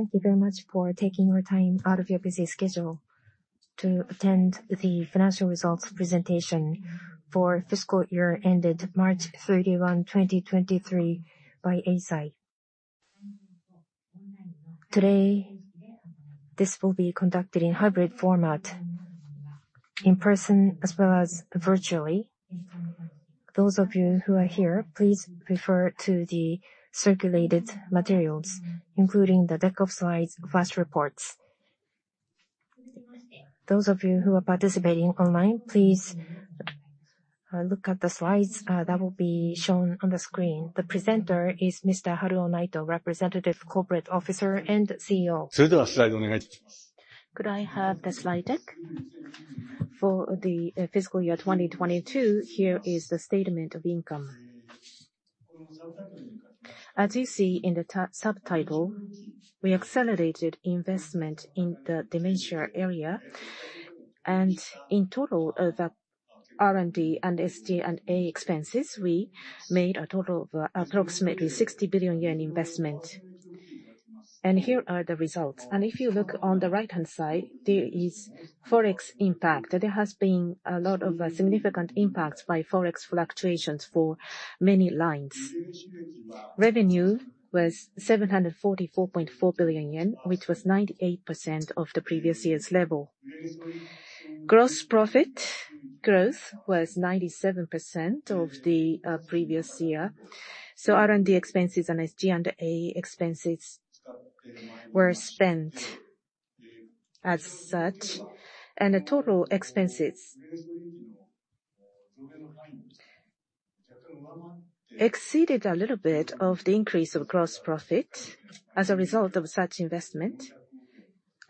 Thank you very much for taking your time out of your busy schedule to attend the financial results presentation for fiscal year ended March 31, 2023 by Eisai. Today, this will be conducted in hybrid format, in person as well as virtually. Those of you who are here, please refer to the circulated materials, including the deck of slides, press reports. Those of you who are participating online, please look at the slides that will be shown on the screen. The presenter is Mr. Haruo Naito, Representative Corporate Officer and CEO. Could I have the slide deck for the fiscal year 2022. Here is the statement of income. As you see in the subtitle, we accelerated investment in the dementia area. In total, the R&D and SG&A expenses, we made a total of approximately JPY 60 billion investment. Here are the results. If you look on the right-hand side, there is Forex impact. There has been a lot of significant impacts by Forex fluctuations for many lines. Revenue was 744.4 billion yen, which was 98% of the previous year's level. Gross profit growth was 97% of the previous year. R&D expenses and SG&A expenses were spent as such. The total expenses exceeded a little bit of the increase of gross profit as a result of such investment.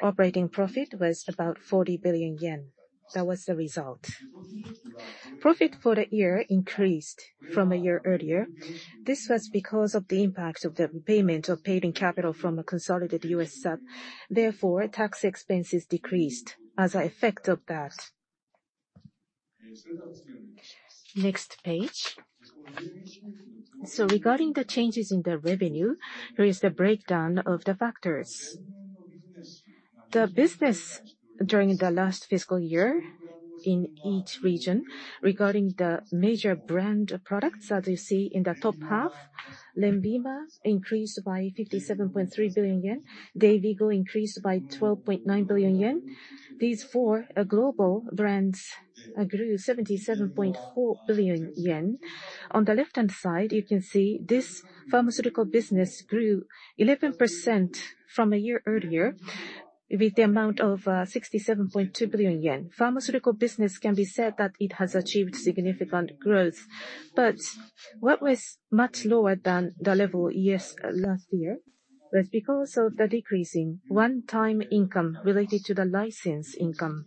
Operating profit was about 40 billion yen. That was the result. Profit for the year increased from a year earlier. This was because of the impact of the payment of paid-in capital from a consolidated U.S. sub. Tax expenses decreased as an effect of that. Next page. Regarding the changes in the revenue, here is the breakdown of the factors. The business during the last fiscal year in each region, regarding the major brand products that you see in the top half, LENVIMA increased by 57.3 billion yen. DAYVIGO increased by 12.9 billion yen. These four global brands grew 77.4 billion yen. On the left-hand side, you can see this pharmaceutical business grew 11% from a year earlier with the amount of 67.2 billion yen. Pharmaceutical business can be said that it has achieved significant growth. What was much lower than the level years last year was because of the decreasing one-time income related to the license income.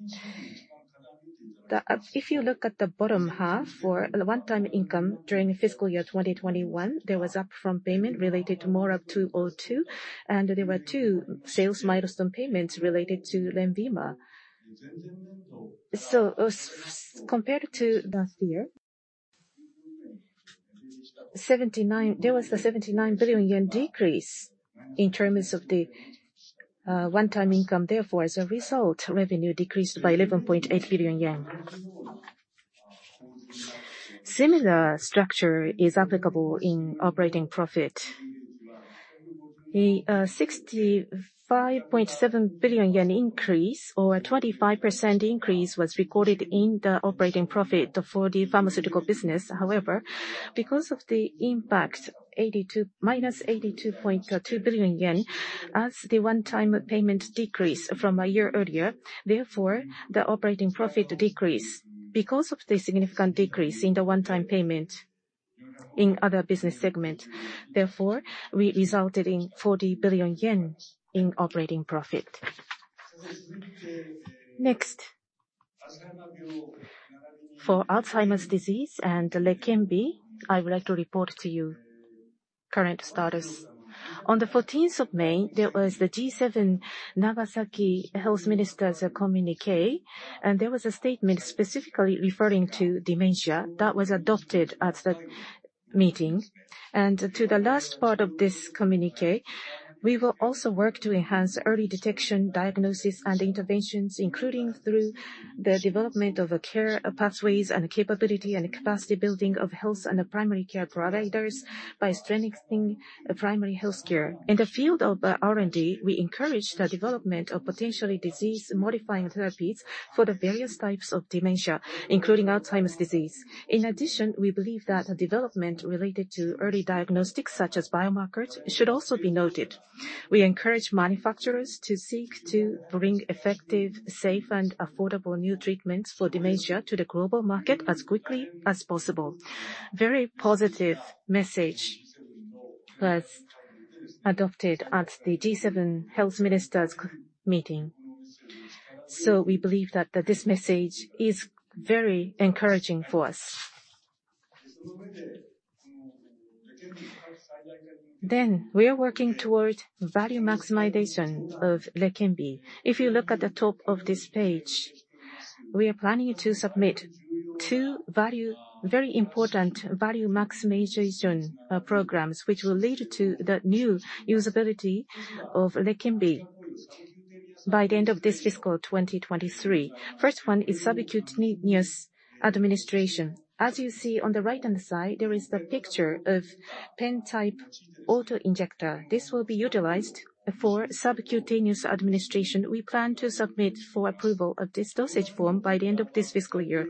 The if you look at the bottom half for the one-time income during fiscal year 2021, there was upfront payment related to MORAb-202, and there were two sales milestone payments related to LENVIMA. As compared to last year, there was a 79 billion yen decrease in terms of the one-time income. Therefore, as a result, revenue decreased by 11.8 billion yen. Similar structure is applicable in operating profit. The 65.7 billion yen increase or a 25% increase was recorded in the operating profit for the pharmaceutical business. However, because of the impact, minus 82.2 billion yen as the one-time payment decreased from a year earlier, therefore, the operating profit decreased. Because of the significant decrease in the one-time payment in other business segment, therefore, we resulted in 40 billion yen in operating profit. Next. For Alzheimer's disease and Leqembi, I would like to report to you current status. On the 14th of May, there was the G7 Nagasaki Health Ministers Communique. There was a statement specifically referring to dementia that was adopted at the meeting. To the last part of this communique, we will also work to enhance early detection, diagnosis, and interventions, including through the development of a care pathways and capability and capacity building of health and primary care providers by strengthening primary health care. In the field of R&D, we encourage the development of potentially disease-modifying therapies for the various types of dementia, including Alzheimer's disease. In addition, we believe that a development related to early diagnostics, such as biomarkers, should also be noted. We encourage manufacturers to seek to bring effective, safe, and affordable new treatments for dementia to the global market as quickly as possible. Very positive message was adopted at the G7 Health Ministers meeting. We believe that this message is very encouraging for us. We are working towards value maximization of Leqembi. If you look at the top of this page, we are planning to submit two very important value maximization programs, which will lead to the new usability of Leqembi by the end of this fiscal 2023. First one is subcutaneous administration. As you see on the right-hand side, there is the picture of pen-type auto-injector. This will be utilized for subcutaneous administration. We plan to submit for approval of this dosage form by the end of this fiscal year.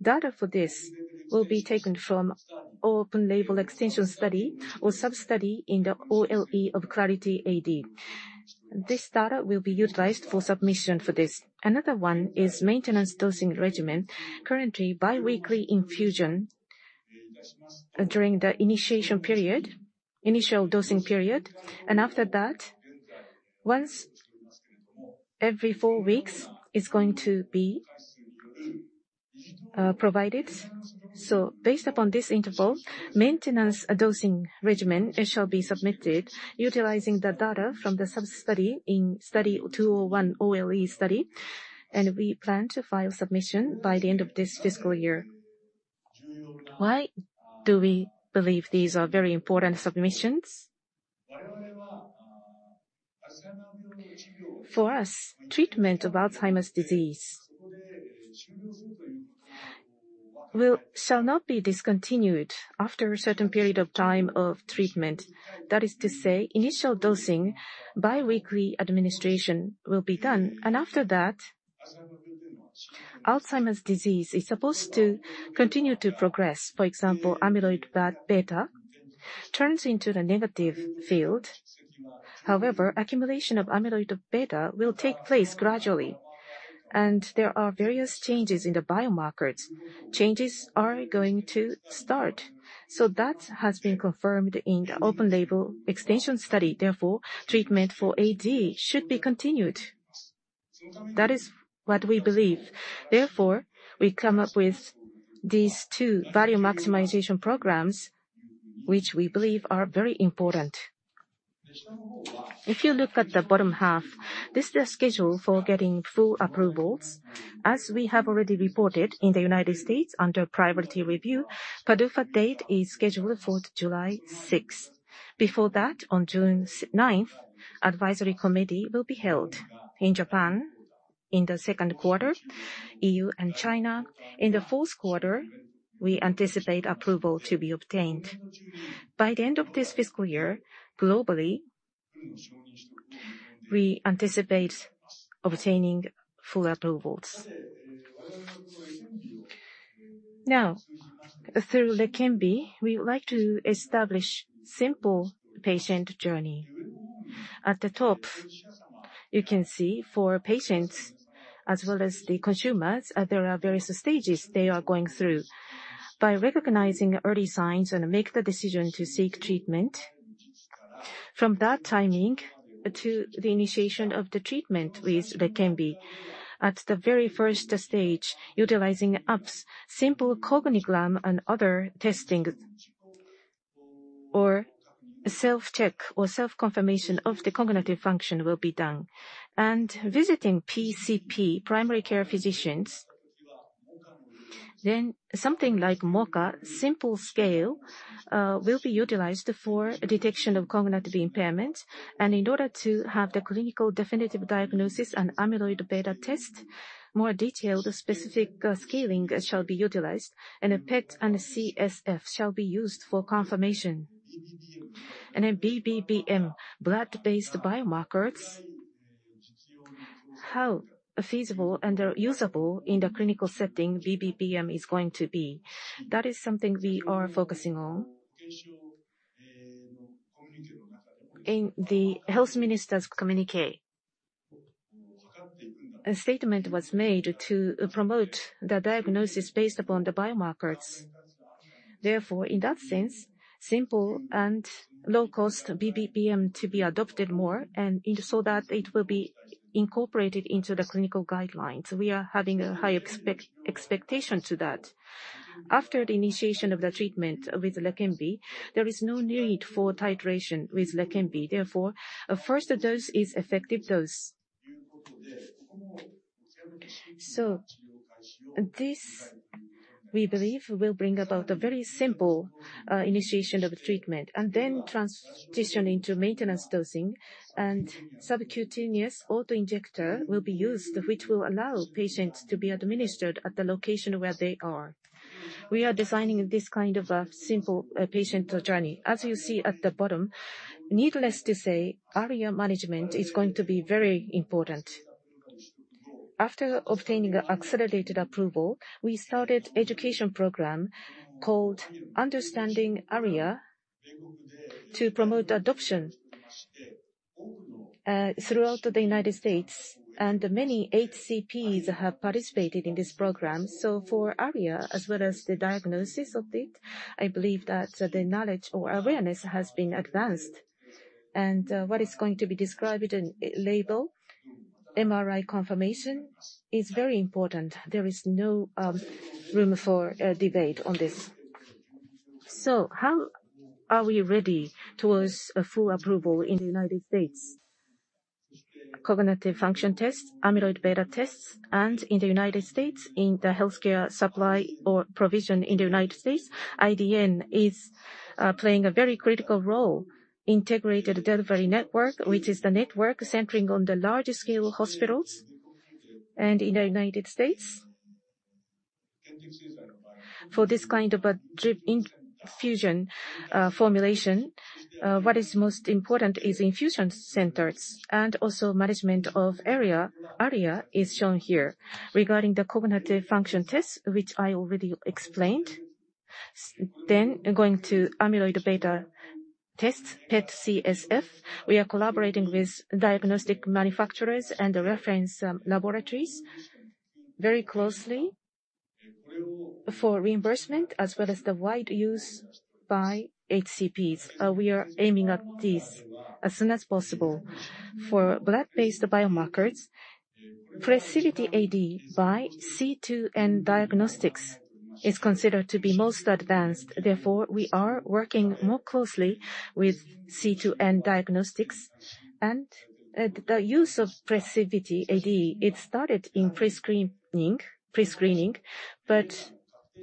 Data for this will be taken from open label extension study or sub-study in the OLE of Clarity AD. This data will be utilized for submission for this. Another one is maintenance dosing regimen, currently bi-weekly infusion during the initial dosing period, and after that, once every 4 weeks is going to be provided. Based upon this interval, maintenance dosing regimen shall be submitted utilizing the data from the sub-study in Study 201 OLE study, and we plan to file submission by the end of this fiscal year. Why do we believe these are very important submissions? For us, treatment of Alzheimer's disease shall not be discontinued after a certain period of time of treatment. That is to say, initial dosing bi-weekly administration will be done. After that, Alzheimer's disease is supposed to continue to progress. For example, amyloid-beta turns into the negative field. However, accumulation of amyloid-beta will take place gradually, and there are various changes in the biomarkers. Changes are going to start. That has been confirmed in the open label extension study. Therefore, treatment for AD should be continued. That is what we believe. Therefore, we come up with these two value maximization programs, which we believe are very important. If you look at the bottom half, this is the schedule for getting full approvals. As we have already reported in the United States under priority review, PDUFA date is scheduled for July 6th. Before that, on June 9th, advisory committee will be held. In Japan, in the second quarter, EU and China. In the fourth quarter, we anticipate approval to be obtained. By the end of this fiscal year, globally, we anticipate obtaining full approvals. Through Leqembi, we would like to establish simple patient journey. At the top, you can see for patients as well as the consumers, there are various stages they are going through. By recognizing early signs and make the decision to seek treatment, from that timing to the initiation of the treatment with LEQEMBI. At the very first stage, utilizing apps, simple Cognigram and other testing, or self-check or self-confirmation of the cognitive function will be done. Visiting PCP, primary care physicians, then something like MoCA, simple scale, will be utilized for detection of cognitive impairment. In order to have the clinical definitive diagnosis and amyloid-beta test, more detailed specific scaling shall be utilized, and a PET and a CSF shall be used for confirmation. Then BBBM, blood-based biomarkers, how feasible and usable in the clinical setting BBBM is going to be. That is something we are focusing on. In the Health Minister's communiqué, a statement was made to promote the diagnosis based upon the biomarkers. In that sense, simple and low-cost BBBM to be adopted more and in so that it will be incorporated into the clinical guidelines. We are having a high expectation to that. After the initiation of the treatment with Leqembi, there is no need for titration with Leqembi. A first dose is effective dose. This, we believe, will bring about a very simple initiation of treatment and then transition into maintenance dosing. Subcutaneous auto-injector will be used, which will allow patients to be administered at the location where they are. We are designing this kind of a simple patient journey. As you see at the bottom, needless to say, ARIA management is going to be very important. After obtaining a accelerated approval, we started education program called Understanding ARIA to promote adoption throughout the United States, and many HCPs have participated in this program. For ARIA, as well as the diagnosis of it, I believe that the knowledge or awareness has been advanced. What is going to be described in label, MRI confirmation, is very important. There is no room for debate on this. How are we ready towards a full approval in the United States? Cognitive function tests, amyloid-beta tests, and in the United States, in the healthcare supply or provision in the United States, IDN is playing a very critical role. Integrated Delivery Network, which is the network centering on the larger scale hospitals and in the United States. For this kind of a drip infusion formulation, what is most important is infusion centers and also management of area, ARIA is shown here. Regarding the cognitive function tests, which I already explained, then going to amyloid-beta tests, PET CSF. We are collaborating with diagnostic manufacturers and the reference laboratories very closely for reimbursement as well as the wide use by HCPs. We are aiming at this as soon as possible. For blood-based biomarkers, PrecivityAD by C2N Diagnostics is considered to be most advanced, therefore, we are working more closely with C2N Diagnostics. The use of PrecivityAD, it started in prescreening, but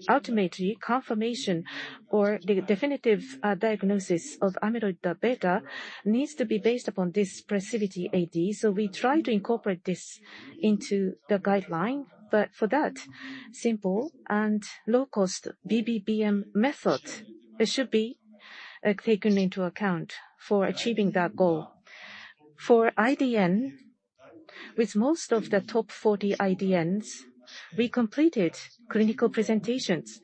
ultimately, confirmation or the definitive diagnosis of amyloid beta needs to be based upon this PrecivityAD. We try to incorporate this into the guideline, but for that, simple and low-cost BBBM method, it should be taken into account for achieving that goal. For IDN, with most of the top 40 IDNs, we completed clinical presentations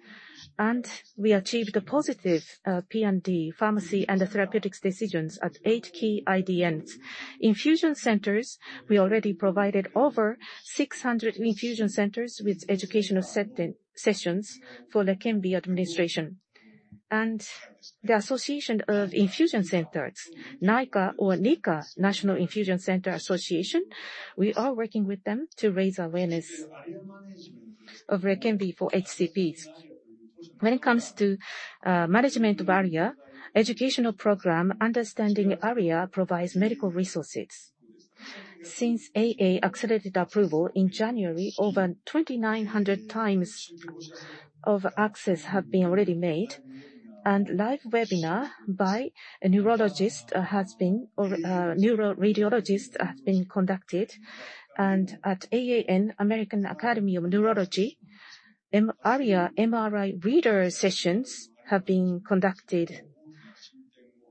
and we achieved a positive P&T, Pharmacy and Therapeutics decisions at eight key IDNs. Infusion centers, we already provided over 600 infusion centers with educational sit-in sessions for Leqembi administration. The Association of Infusion Centers, NICA or NICA, National Infusion Center Association, we are working with them to raise awareness of Leqembi for HCPs. When it comes to management of ARIA, educational program, Understanding ARIA provides medical resources. Since AA accelerated approval in January, over 2,900 times of access have been already made, and live webinar by a neurologist or neuroradiologist has been conducted. At AAN, American Academy of Neurology, M-ARIA MRI reader sessions have been conducted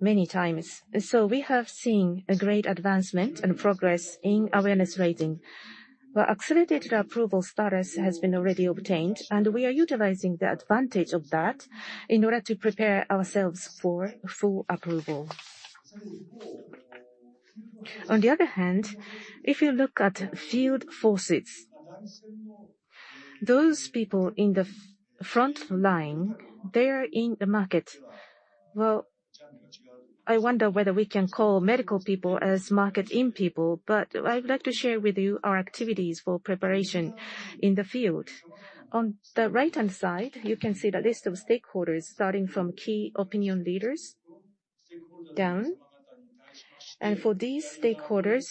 many times. We have seen a great advancement and progress in awareness rating. The accelerated approval status has been already obtained, and we are utilizing the advantage of that in order to prepare ourselves for full approval. The other hand, if you look at field forces, those people in the front line, they are in the market. Well, I wonder whether we can call medical people as market-in people. I would like to share with you our activities for preparation in the field. On the right-hand side, you can see the list of stakeholders, starting from key opinion leaders down. For these stakeholders,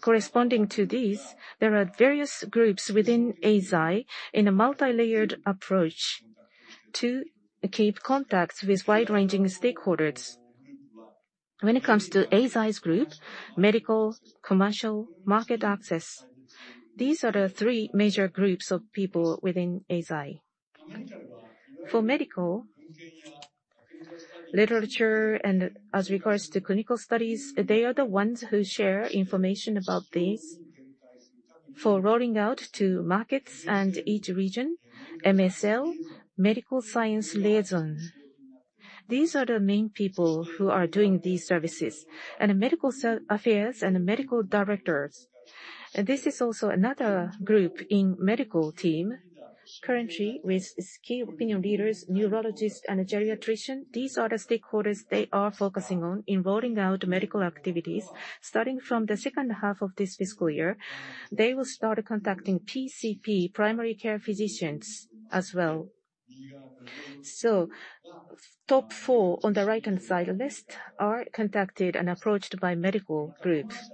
corresponding to these, there are various groups within Eisai in a multilayered approach to keep contacts with wide-ranging stakeholders. When it comes to Eisai's group, medical, commercial, market access, these are the three major groups of people within Eisai. For medical, literature and as regards to clinical studies, they are the ones who share information about these. For rolling out to markets and each region, MSL, medical science liaison, these are the main people who are doing these services. Medical affairs and medical directors, this is also another group in medical team currently with key opinion leaders, neurologists, and a geriatrician. These are the stakeholders they are focusing on in rolling out medical activities. Starting from the second half of this fiscal year, they will start contacting PCP, primary care physicians, as well. Top four on the right-hand side list are contacted and approached by medical groups.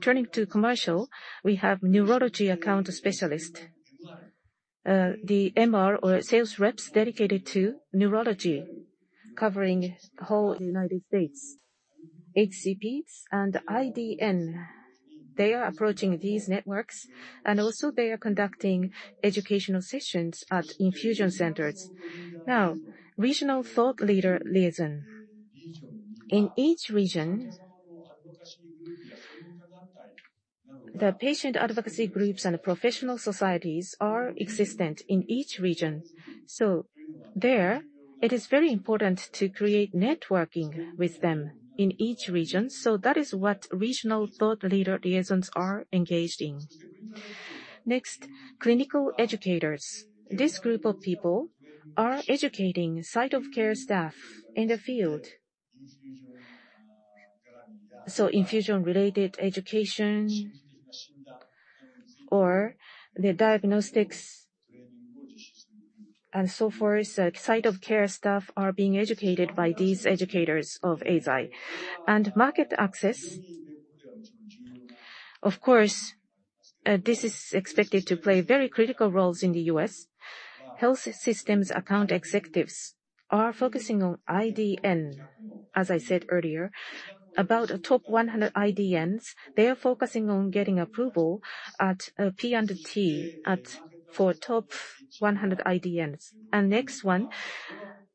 Turning to commercial, we have neurology account specialist. The MR or sales reps dedicated to neurology covering whole United States. HCPs and IDN, they are approaching these networks, and also they are conducting educational sessions at infusion centers. Regional thought leader liaison. In each region, the patient advocacy groups and professional societies are existent in each region. There, it is very important to create networking with them in each region, that is what regional thought leader liaisons are engaged in. Clinical educators. This group of people are educating site of care staff in the field. Infusion-related education or the diagnostics and so forth, site of care staff are being educated by these educators of Eisai. Market access, of course, this is expected to play very critical roles in the U.S. Health systems account executives are focusing on IDN, as I said earlier. About top 100 IDNs, they are focusing on getting approval at P&T for top 100 IDNs. Next one,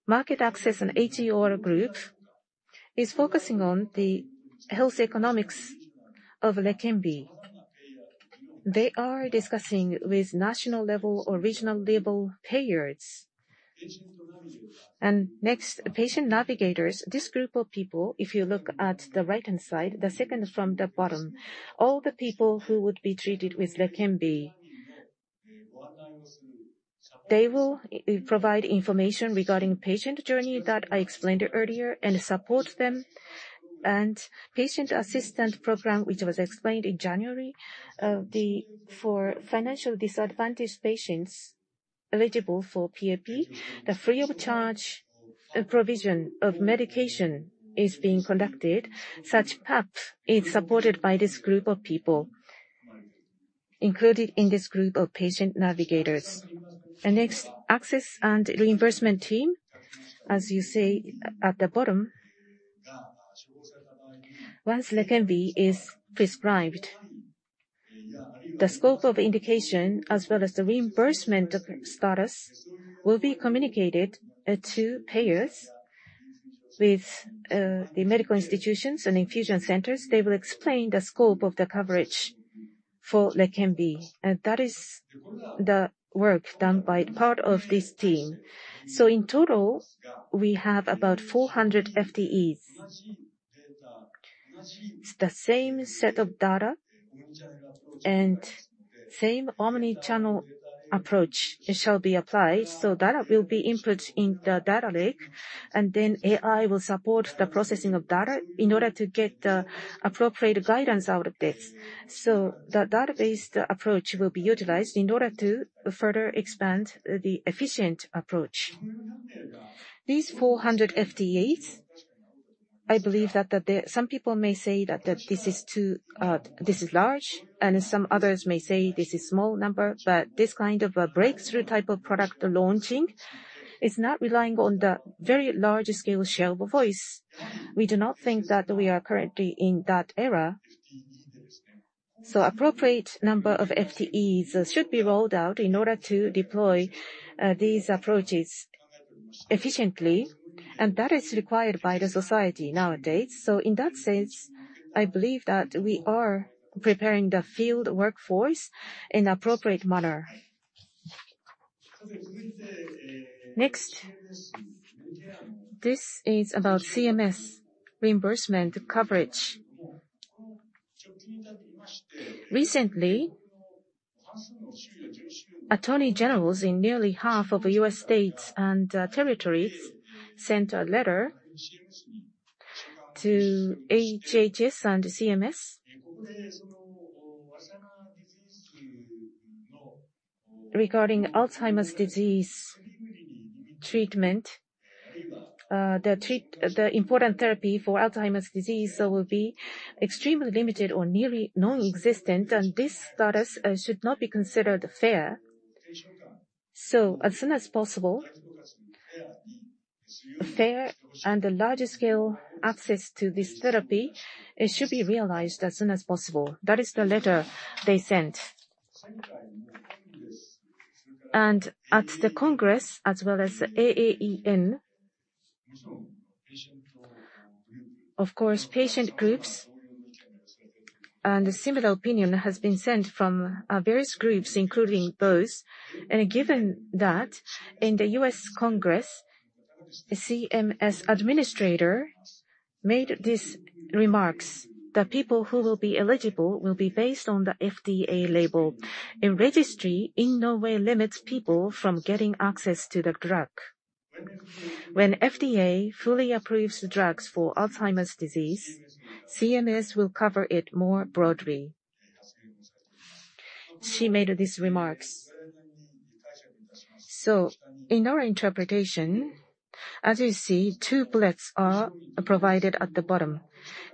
market access and HEOR group is focusing on the health economics of Leqembi. They are discussing with national level or regional level payers. Next, patient navigators. This group of people, if you look at the right-hand side, the second from the bottom, all the people who would be treated with Leqembi. They will provide information regarding patient journey that I explained earlier and support them. Patient assistant program, which was explained in January, for financial disadvantaged patients eligible for PAP. The free of charge provision of medication is being conducted. Such PAP is supported by this group of people included in this group of patient navigators. Next, access and reimbursement team. As you see at the bottom, once Leqembi is prescribed, the scope of indication as well as the reimbursement of status will be communicated to payers. The medical institutions and infusion centers, they will explain the scope of the coverage for Leqembi. That is the work done by part of this team. In total, we have about 400 FTEs. It's the same set of data and same omni-channel approach shall be applied. Data will be input in the data lake, and then AI will support the processing of data in order to get the appropriate guidance out of this. The database, the approach will be utilized in order to further expand the efficient approach. These 400 FTEs, I believe that the... some people may say that this is too, this is large, and some others may say this is small number. But this kind of a breakthrough type of product launching is not relying on the very large scale share of voice. We do not think that we are currently in that era. Appropriate number of FTEs should be rolled out in order to deploy these approaches efficiently, and that is required by the society nowadays. In that sense, I believe that we are preparing the field workforce in appropriate manner. Next, this is about CMS reimbursement coverage. Recently, attorney generals in nearly half of U.S. states and territories sent a letter to HHS and CMS. Regarding Alzheimer's disease treatment, the important therapy for Alzheimer's disease will be extremely limited or nearly non-existent, and this status should not be considered fair. As soon as possible, fair and a larger scale access to this therapy, it should be realized as soon as possible. That is the letter they sent. At the Congress, as well as the AAN, of course, patient groups and a similar opinion has been sent from various groups, including both. Given that, in the U.S. Congress, the CMS administrator made these remarks. "The people who will be eligible will be based on the FDA label. A registry in no way limits people from getting access to the drug. When FDA fully approves the drugs for Alzheimer's disease, CMS will cover it more broadly." She made these remarks. In our interpretation, as you see, two bullets are provided at the bottom.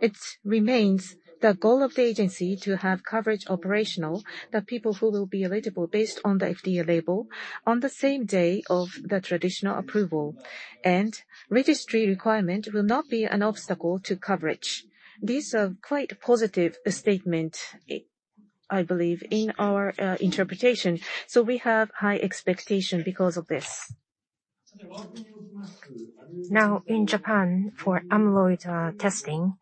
It remains the goal of the agency to have coverage operational that people who will be eligible based on the FDA label on the same day of the traditional approval. Registry requirement will not be an obstacle to coverage. These are quite positive statement, I believe, in our interpretation, so we have high expectation because of this. In Japan, for amyloid testing,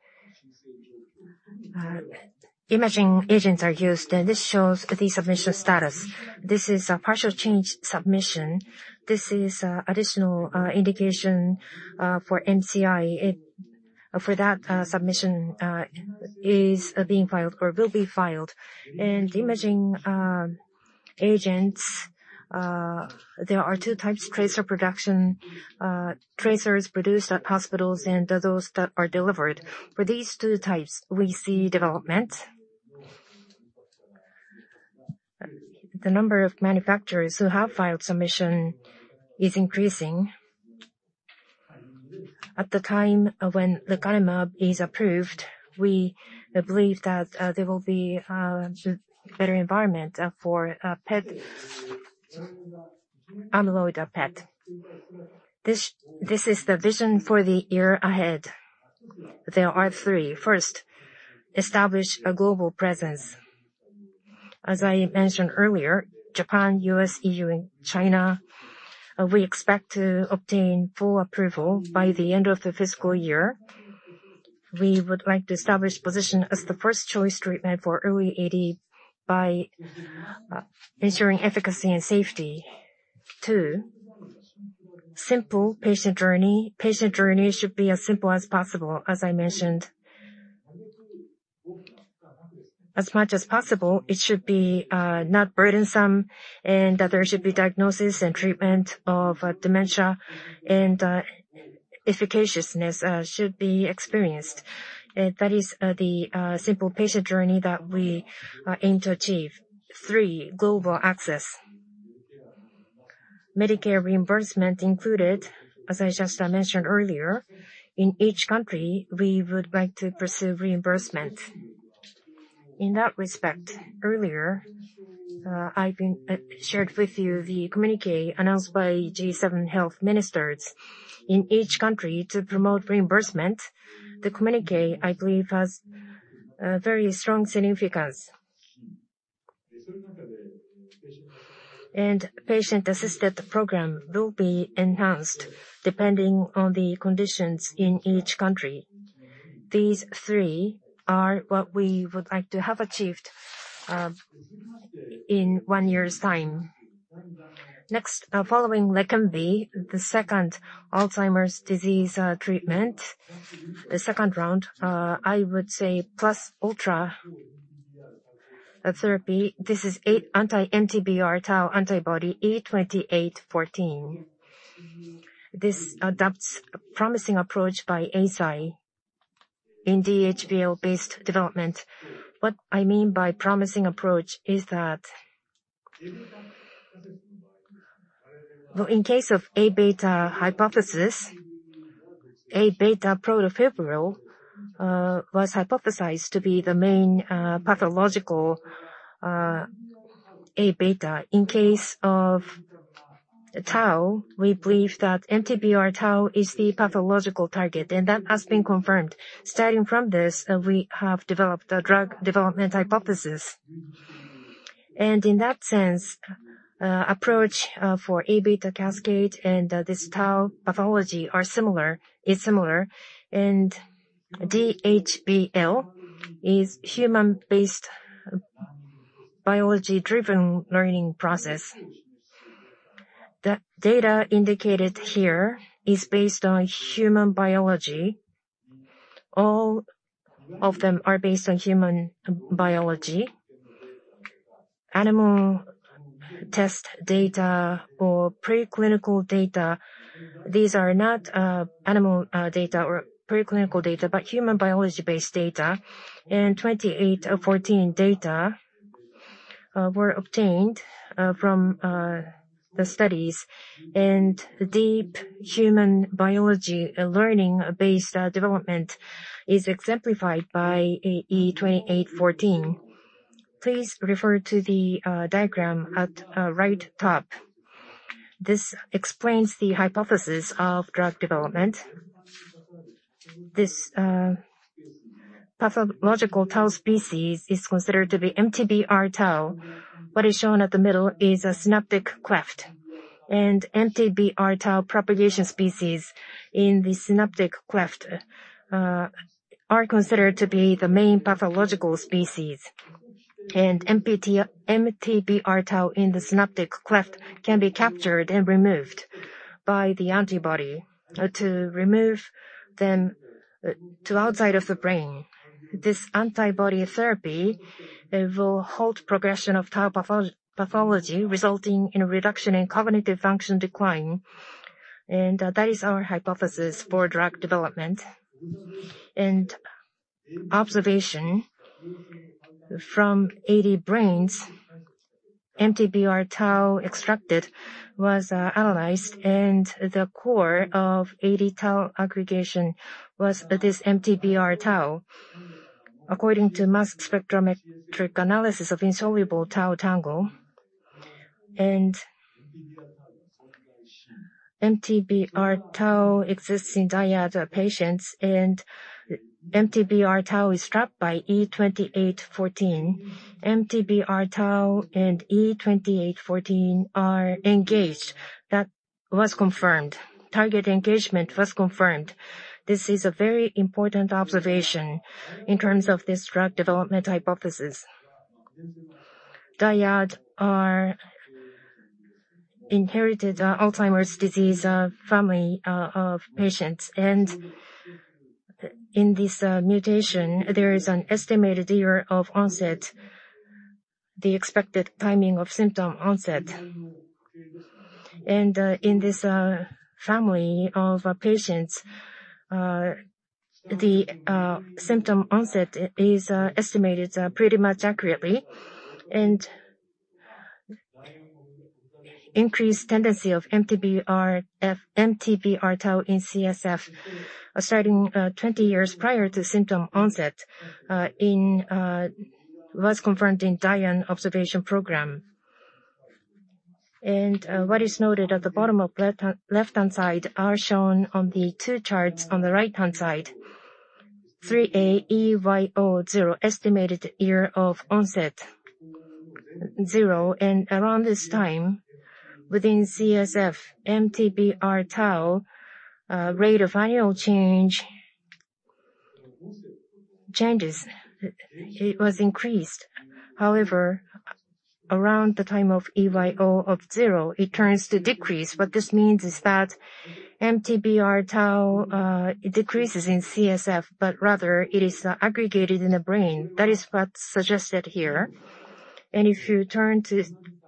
imaging agents are used, and this shows the submission status. This is a partial change submission. This is additional indication for NCI. For that submission is being filed or will be filed. Imaging agents, there are two types, tracer production, tracers produced at hospitals and those that are delivered. For these two types, we see development. The number of manufacturers who have filed submission is increasing. At the time of when Lecanemab is approved, we believe that there will be better environment for PET, amyloid PET. This is the vision for the year ahead. There are three. First, establish a global presence. As I mentioned earlier, Japan, US, EU, and China, we expect to obtain full approval by the end of the fiscal year. We would like to establish position as the first-choice treatment for early AD by ensuring efficacy and safety. Two, simple patient journey. Patient journey should be as simple as possible, as I mentioned. As much as possible, it should be not burdensome, and that there should be diagnosis and treatment of dementia, and efficaciousness should be experienced. That is the simple patient journey that we aim to achieve. 3, global access. Medicare reimbursement included, as I just mentioned earlier. In each country, we would like to pursue reimbursement. In that respect, earlier, shared with you the communiqué announced by G7 health ministers in each country to promote reimbursement. The communiqué, I believe, has a very strong significance. Patient-assisted program will be enhanced depending on the conditions in each country. These 3 are what we would like to have achieved in 1 year's time. Next, following Lecanemab, the second Alzheimer's disease treatment. The second round, I would say plus ultra therapy. This is 8 anti-MTBR tau antibody, E2814. This adopts a promising approach by Eisai in DHBL-based development. What I mean by promising approach is that, well, in case of Aβ hypothesis, Aβ protofibril was hypothesized to be the main pathological Aβ. In case of tau, we believe that MTBR tau is the pathological target, and that has been confirmed. Starting from this, we have developed a drug development hypothesis. In that sense, approach for Aβ cascade and this tau pathology are similar-- is similar. DHBL is human-based biology-driven learning process. The data indicated here is based on human biology. All of them are based on human biology. Animal test data or preclinical data, these are not animal data or preclinical data, but human biology-based data. E2814 data were obtained from the studies. Deep human biology learning-based development is exemplified by E2814. Please refer to the diagram at right top. This explains the hypothesis of drug development. This pathological tau species is considered to be MTBR tau. What is shown at the middle is a synaptic cleft. MTBR tau propagation species in the synaptic cleft are considered to be the main pathological species. MTBR tau in the synaptic cleft can be captured and removed by the antibody to remove them to outside of the brain. This antibody therapy, it will halt progression of tau pathology, resulting in a reduction in cognitive function decline. That is our hypothesis for drug development. Observation from AD brains, MTBR tau extracted was analyzed, and the core of AD tau aggregation was this MTBR tau, according to mass spectrometric analysis of insoluble tau tangle. MTBR tau exists in DIAN patients, and MTBR tau is trapped by E2814. MTBR tau and E2814 are engaged. That was confirmed. Target engagement was confirmed. This is a very important observation in terms of this drug development hypothesis. Dyad are inherited Alzheimer's disease family of patients. In this mutation, there is an estimated year of onset, the expected timing of symptom onset. In this family of patients, the symptom onset is estimated pretty much accurately. Increased tendency of MTBR tau in CSF, starting 20 years prior to symptom onset, was confirmed in DIAN observation program. What is noted at the bottom of left-hand side are shown on the 2 charts on the right-hand side. 3 A EYO 0, estimated year of onset, 0. Around this time, within CSF, MTBRtau rate of annual change changes. It was increased. However, around the time of EYO of zero, it turns to decrease. What this means is that MTBRtau decreases in CSF, but rather it is aggregated in the brain. That is what's suggested here. If you turn to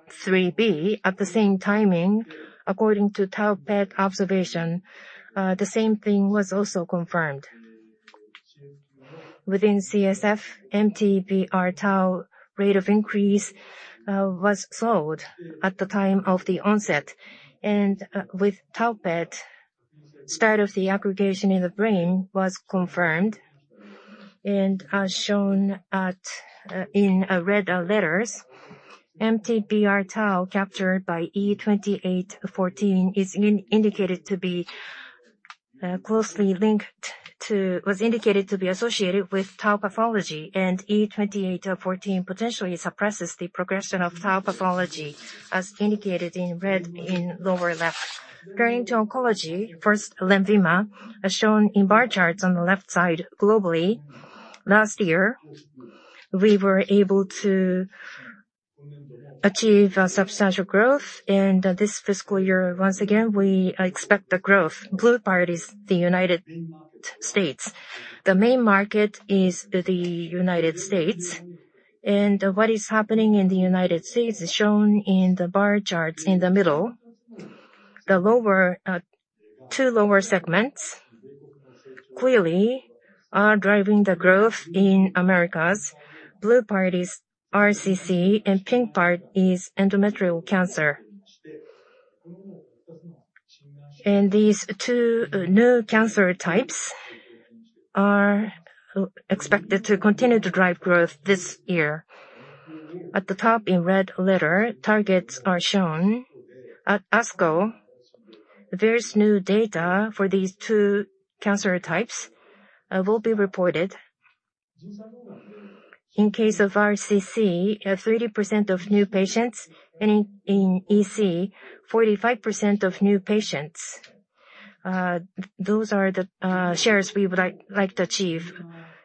3B, at the same timing, according to tau PET observation, the same thing was also confirmed. Within CSF, MTBRtau rate of increase was slowed at the time of the onset. With tau PET, start of the aggregation in the brain was confirmed. As shown at in red letters, MTBRtau captured by E2814 was indicated to be associated with tau pathology. E2814 potentially suppresses the progression of tau pathology, as indicated in red in lower left. Turning to oncology, first LENVIMA, as shown in bar charts on the left side. Globally, last year, we were able to achieve substantial growth. This fiscal year, once again, we expect the growth. Blue part is the United States. The main market is the United States. What is happening in the United States is shown in the bar charts in the middle. The two lower segments clearly are driving the growth in Americas. Blue part is RCC and pink part is endometrial cancer. These two new cancer types are expected to continue to drive growth this year. At the top in red letter, targets are shown. At ASCO, various new data for these two cancer types will be reported. In case of RCC, 30% of new patients and in EC, 45% of new patients. Those are the shares we would like to achieve.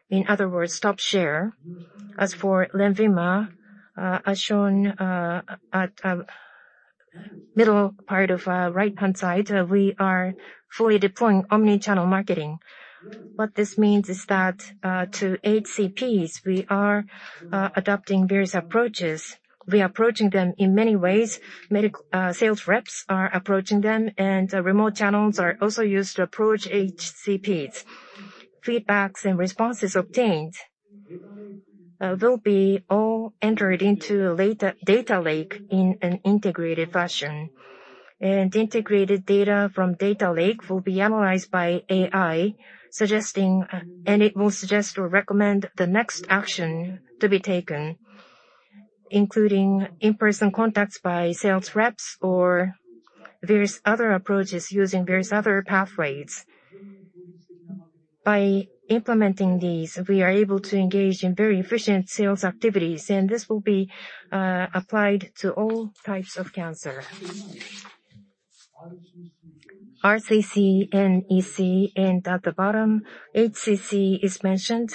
In other words, top share. As for LENVIMA, as shown at middle part of right-hand side, we are fully deploying omni-channel marketing. What this means is that, to HCPs, we are adopting various approaches. We are approaching them in many ways. Sales reps are approaching them, and remote channels are also used to approach HCPs. Feedbacks and responses obtained will be all entered into a data lake in an integrated fashion. Integrated data from data lake will be analyzed by AI, it will suggest or recommend the next action to be taken, including in-person contacts by sales reps or various other approaches using various other pathways. By implementing these, we are able to engage in very efficient sales activities, and this will be applied to all types of cancer. RCC and EC, and at the bottom, HCC is mentioned.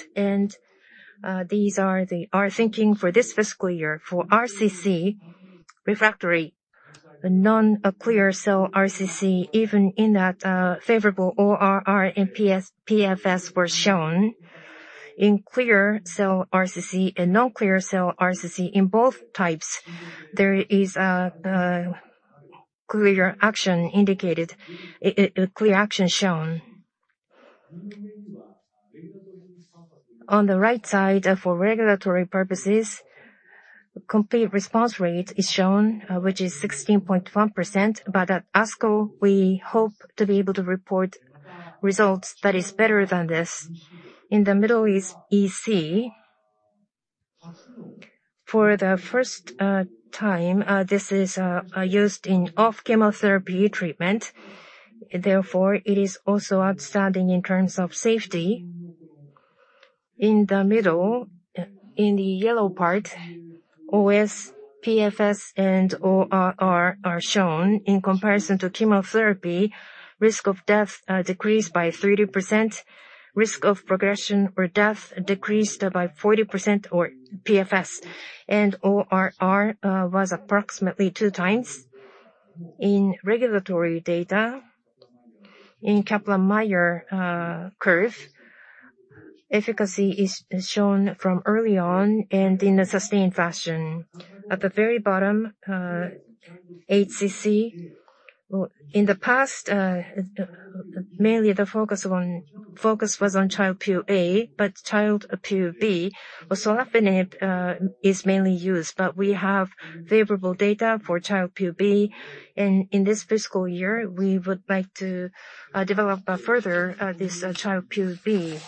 These are our thinking for this fiscal year. For RCC, refractory, a non-clear cell RCC, even in that, favorable ORR and PFS were shown. In clear cell RCC and non-clear cell RCC, in both types, there is a clear action indicated, a clear action shown. On the right side, for regulatory purposes, complete response rate is shown, which is 16.1%. At ASCO, we hope to be able to report results that is better than this. In the middle is EC. For the first time, this is used in off-chemotherapy treatment. Therefore, it is also outstanding in terms of safety. In the middle, in the yellow part, OS, PFS, and ORR are shown. In comparison to chemotherapy, risk of death decreased by 30%, risk of progression or death decreased by 40% or PFS. ORR was approximately 2 times. In regulatory data, in Kaplan-Meier curve, efficacy is shown from early on and in a sustained fashion. At the very bottom, HCC. In the past, mainly the focus was on Child-Pugh A, but Child-Pugh B, sorafenib, is mainly used. We have favorable data for Child-Pugh B, and in this fiscal year, we would like to develop further this Child-Pugh B.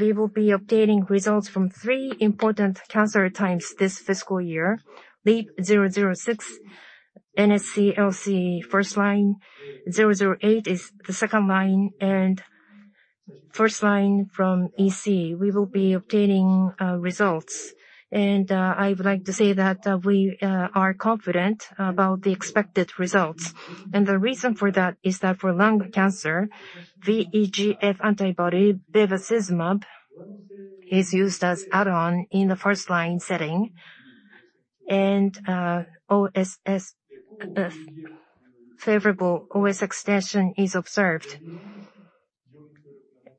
We will be obtaining results from three important cancer types this fiscal year. LEAP-006, NSCLC first line, 008 is the second line, and first line from EC. We will be obtaining results. I would like to say that we are confident about the expected results. The reason for that is that for lung cancer, VEGF antibody bevacizumab is used as add-on in the first line setting. Favorable OS extension is observed.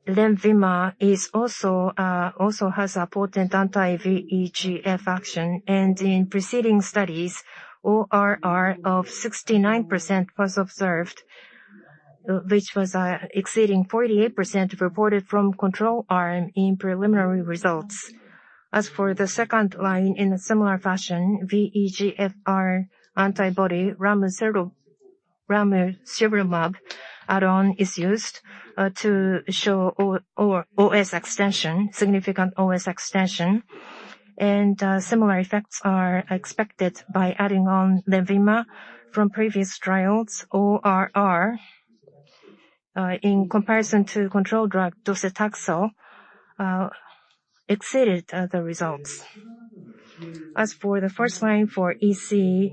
LENVIMA also has a potent anti-VEGF action. In preceding studies, ORR of 69% was observed, which was exceeding 48% reported from control arm in preliminary results. As for the second line in a similar fashion, VEGFR antibody ramucirumab add-on is used to show OS extension, significant OS extension. Similar effects are expected by adding on LENVIMA from previous trials ORR in comparison to control drug docetaxel exceeded the results. As for the first line for EC,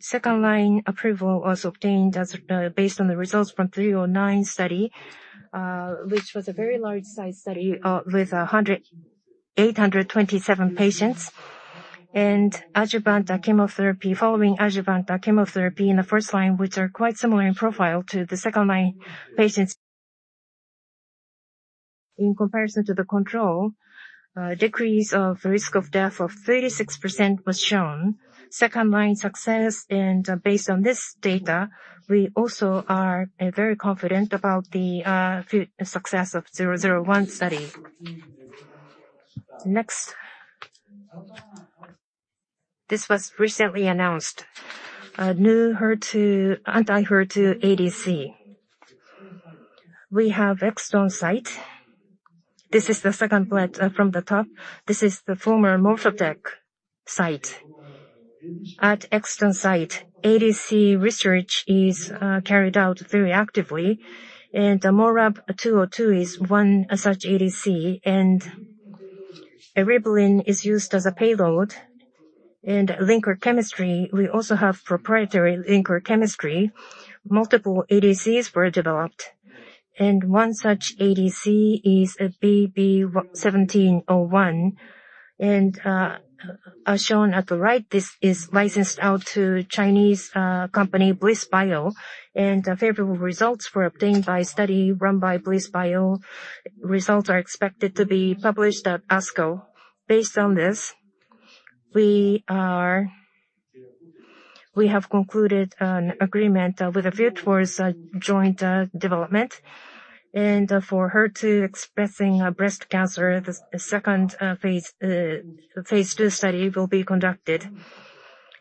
second line approval was obtained as based on the results from Study 309, which was a very large size study with 827 patients. Adjuvant chemotherapy, following adjuvant chemotherapy in the first line, which are quite similar in profile to the second line patients. In comparison to the control, decrease of risk of death of 36% was shown. Second line success, and based on this data, we also are very confident about the success of Study 001.E Next. This was recently announced. A new HER2, anti-HER2 ADC. We have EZH2. This is the second bullet from the top. This is the former Morphotek site. At EZH2, ADC research is carried out very actively, and MORAb-202 is one such ADC. Eribulin is used as a payload. Linker chemistry, we also have proprietary linker chemistry. Multiple ADCs were developed, and one such ADC is BB-1701. As shown at the right, this is licensed out to Chinese company BlissBio. Favorable results were obtained by a study run by BlissBio. Results are expected to be published at ASCO. Based on this, we have concluded an agreement with SystImmune for joint development. For HER2 expressing breast cancer, the second phase II study will be conducted.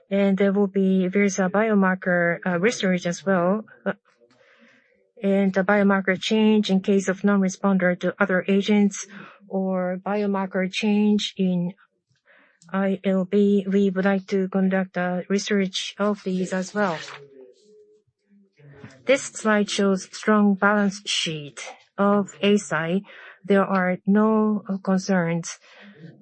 There will be various biomarker research as well. The biomarker change in case of non-responder to other agents or biomarker change in ILB, we would like to conduct research of these as well. This slide shows strong balance sheet of Eisai. There are no concerns.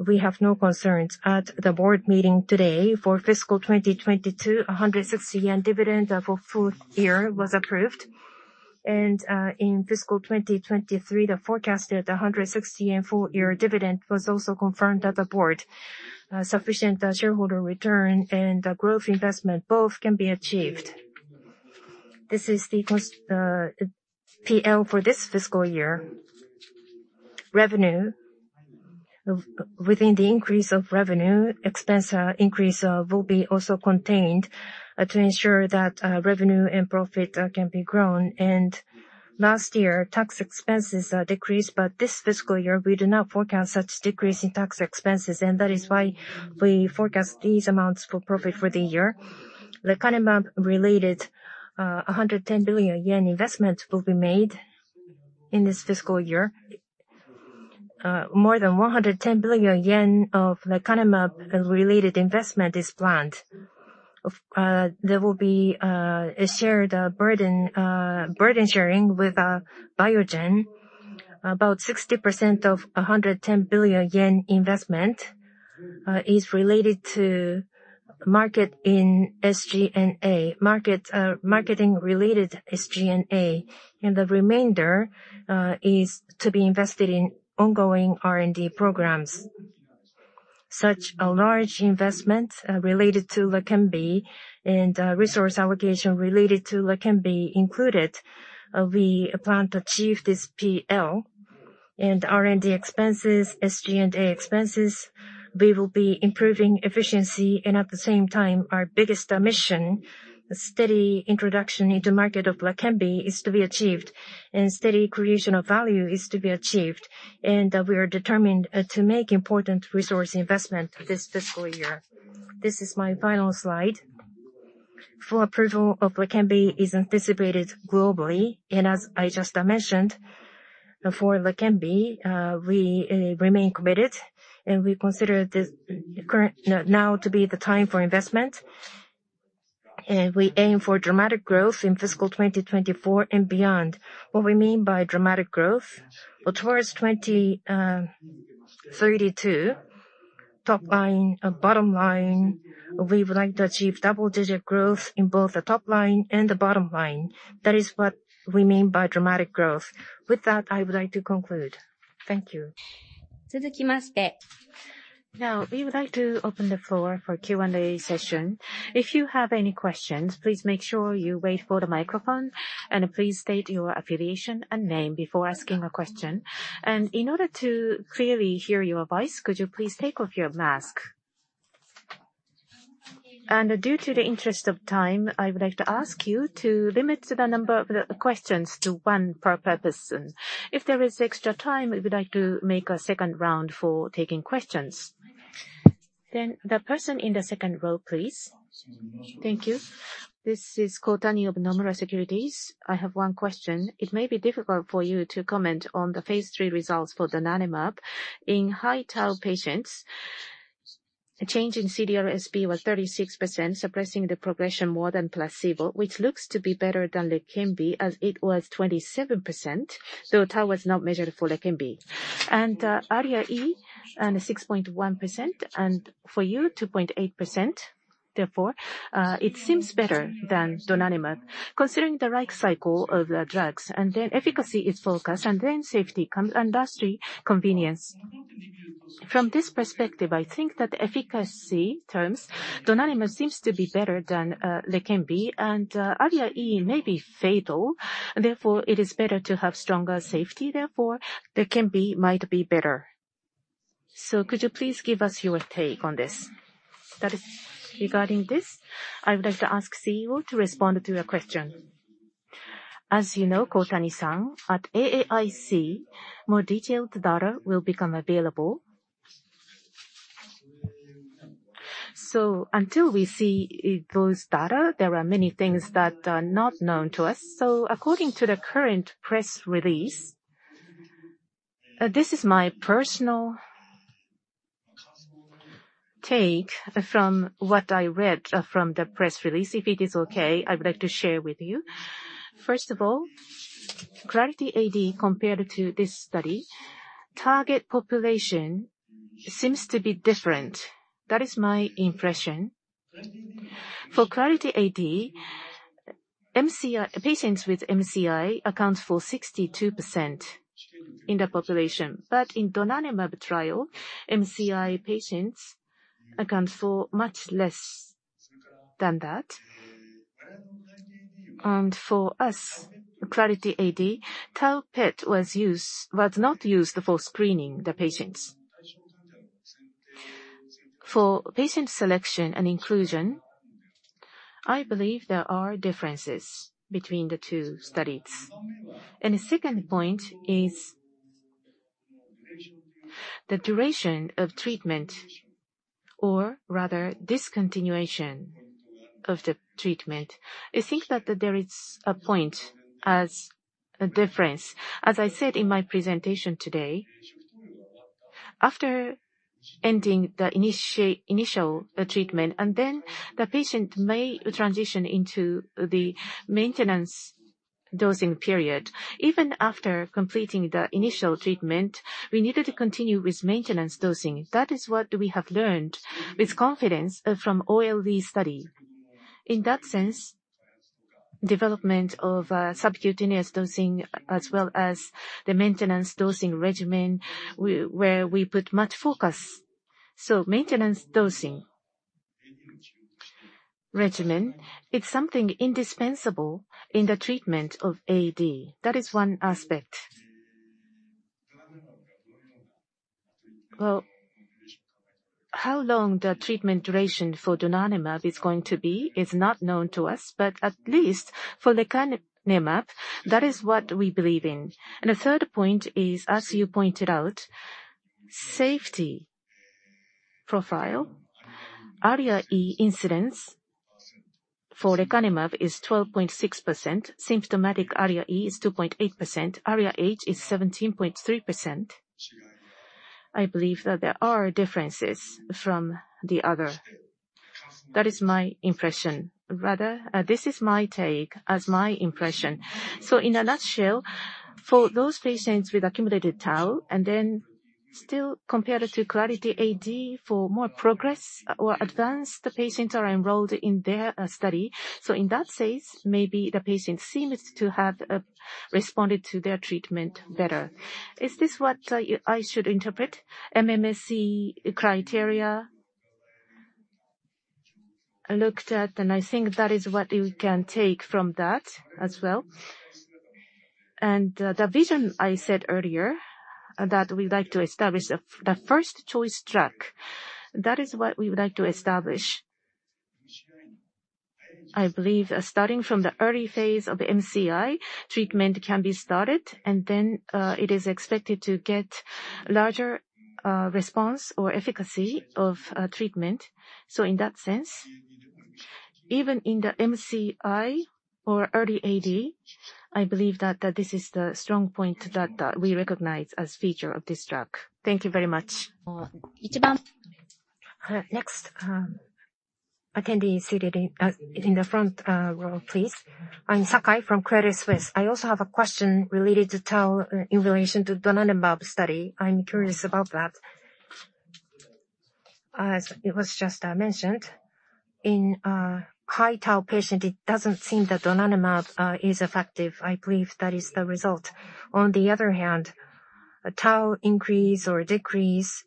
We have no concerns. At the board meeting today for fiscal 2022, a 160 yen dividend of a full year was approved. In fiscal 2023, the forecasted 160 full year dividend was also confirmed at the board. Sufficient shareholder return and growth investment both can be achieved. This is the PL for this fiscal year. Revenue. Within the increase of revenue, expense increase will be also contained to ensure that revenue and profit can be grown. Last year, tax expenses decreased, but this fiscal year, we do not forecast such decrease in tax expenses, and that is why we forecast these amounts for profit for the year. Lecanemab-related, 110 billion yen investment will be made in this fiscal year. More than 110 billion yen of lecanemab-related investment is planned. There will be a shared burden-sharing with Biogen. About 60% of 110 billion yen investment is related to market in SG&A. Market, marketing-related SG&A. The remainder is to be invested in ongoing R&D programs. Such a large investment related to Leqembi and resource allocation related to Leqembi included, we plan to achieve this PL. R&D expenses, SG&A expenses, we will be improving efficiency. At the same time, our biggest mission, the steady introduction in the market of Leqembi, is to be achieved. Steady creation of value is to be achieved. We are determined to make important resource investment this fiscal year. This is my final slide. Full approval of Leqembi is anticipated globally. As I just mentioned, for Leqembi, we remain committed, and we consider this current now to be the time for investment. We aim for dramatic growth in fiscal 2024 and beyond. What we mean by dramatic growth? Well, towards 20, 32, top line and bottom line, we would like to achieve double-digit growth in both the top line and the bottom line. That is what we mean by dramatic growth. With that, I would like to conclude. Thank you. Now we would like to open the floor for Q&A session. If you have any questions, please make sure you wait for the microphone, and please state your affiliation and name before asking a question. In order to clearly hear your voice, could you please take off your mask? Due to the interest of time, I would like to ask you to limit the number of the questions to 1 per person. If there is extra time, we would like to make a second round for taking questions. The person in the second row, please. Thank you. This is Kotani of Nomura Securities. I have one question. It may be difficult for you to comment on the phase III results for donanemab. In high tau patients, the change in CDR-SB was 36%, suppressing the progression more than placebo, which looks to be better than Leqembi, as it was 27%, though tau was not measured for Leqembi. ARIA-E, 6.1%, and for you, 2.8%. It seems better than donanemab. Considering the right cycle of the drugs, and then efficacy is focused, and then safety comes, and lastly, convenience. From this perspective, I think that efficacy terms, donanemab seems to be better than Leqembi. ARIA-E may be fatal, therefore it is better to have stronger safety, therefore Leqembi might be better. Could you please give us your take on this? Regarding this, I would like to ask CEO to respond to your question. As you know, Kotani, at AAIC, more detailed data will become available. Until we see those data, there are many things that are not known to us. According to the current press release, this is my personal take from what I read from the press release. If it is okay, I would like to share with you. First of all, Clarity AD compared to this study, target population seems to be different. That is my impression. For Clarity AD, patients with MCI account for 62% in the population. In donanemab trial, MCI patients account for much less than that. For us, Clarity AD, tau PET was not used for screening the patients. For patient selection and inclusion, I believe there are differences between the two studies. The second point is the duration of treatment, or rather discontinuation of the treatment. I think that there is a point as a difference. As I said in my presentation today, after ending the initial treatment, the patient may transition into the maintenance dosing period. Even after completing the initial treatment, we needed to continue with maintenance dosing. That is what we have learned with confidence from OLE study. In that sense, development of subcutaneous dosing as well as the maintenance dosing regimen, where we put much focus. Maintenance dosing regimen, it's something indispensable in the treatment of AD. That is one aspect. Well, how long the treatment duration for donanemab is going to be is not known to us. At least for lecanemab, that is what we believe in. The third point is, as you pointed out, safety profile. ARIA-E incidence for lecanemab is 12.6%. Symptomatic ARIA-E is 2.8%. ARIA-H is 17.3%. I believe that there are differences from the other. That is my impression. Rather, this is my take as my impression. In a nutshell, for those patients with accumulated tau, and then still compared to Clarity AD for more progress or advanced patients are enrolled in their study. In that sense, maybe the patient seems to have responded to their treatment better. Is this what I should interpret? MMSE criteria I looked at, and I think that is what you can take from that as well. The vision I said earlier that we'd like to establish the first-choice drug. That is what we would like to establish. I believe, starting from the early phase of MCI, treatment can be started, and then, it is expected to get larger response or efficacy of treatment. In that sense, even in the MCI or early AD, I believe that this is the strong point that we recognize as feature of this drug. Thank you very much. Next, attendee seated in the front, row, please. I'm Sakai from Credit Suisse. I also have a question related to tau, in relation to donanemab study. I'm curious about that. As it was just mentioned, in high tau patient, it doesn't seem that donanemab is effective. I believe that is the result. On the other hand, a tau increase or decrease,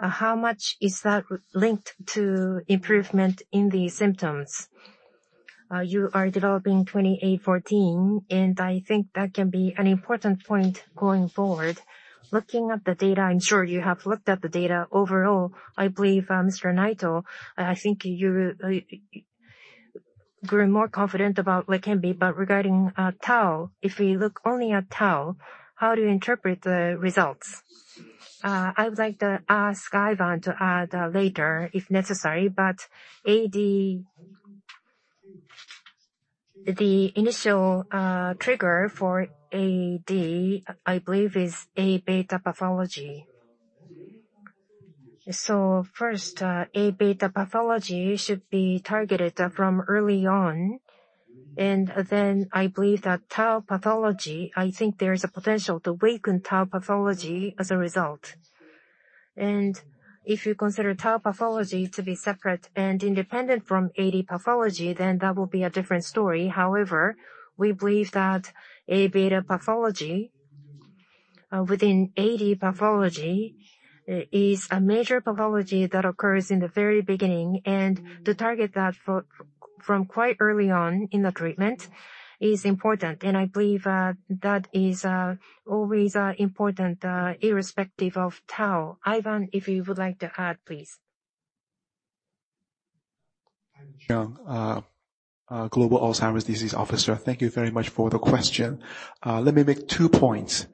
how much is that linked to improvement in the symptoms? You are developing E2814, and I think that can be an important point going forward. Looking at the data, I'm sure you have looked at the data. Overall, I believe, Mr. Naito, I think you grew more confident about LEQEMBI. Regarding tau, if we look only at tau, how do you interpret the results? I would like to ask Ivan to add later if necessary. AD... The initial trigger for AD, I believe, is Aβ pathology. First, Aβ pathology should be targeted from early on. Then I believe that tau pathology, I think there's a potential to weaken tau pathology as a result. If you consider tau pathology to be separate and independent from AD pathology, then that will be a different story. However, we believe that Aβ pathology, within AD pathology, is a major pathology that occurs in the very beginning. To target that from quite early on in the treatment is important. I believe that is always important irrespective of tau. Ivan, if you would like to add, please. I'm Cheung, Global Alzheimer's Disease Officer. Thank you very much for the question. Let me make 2 points.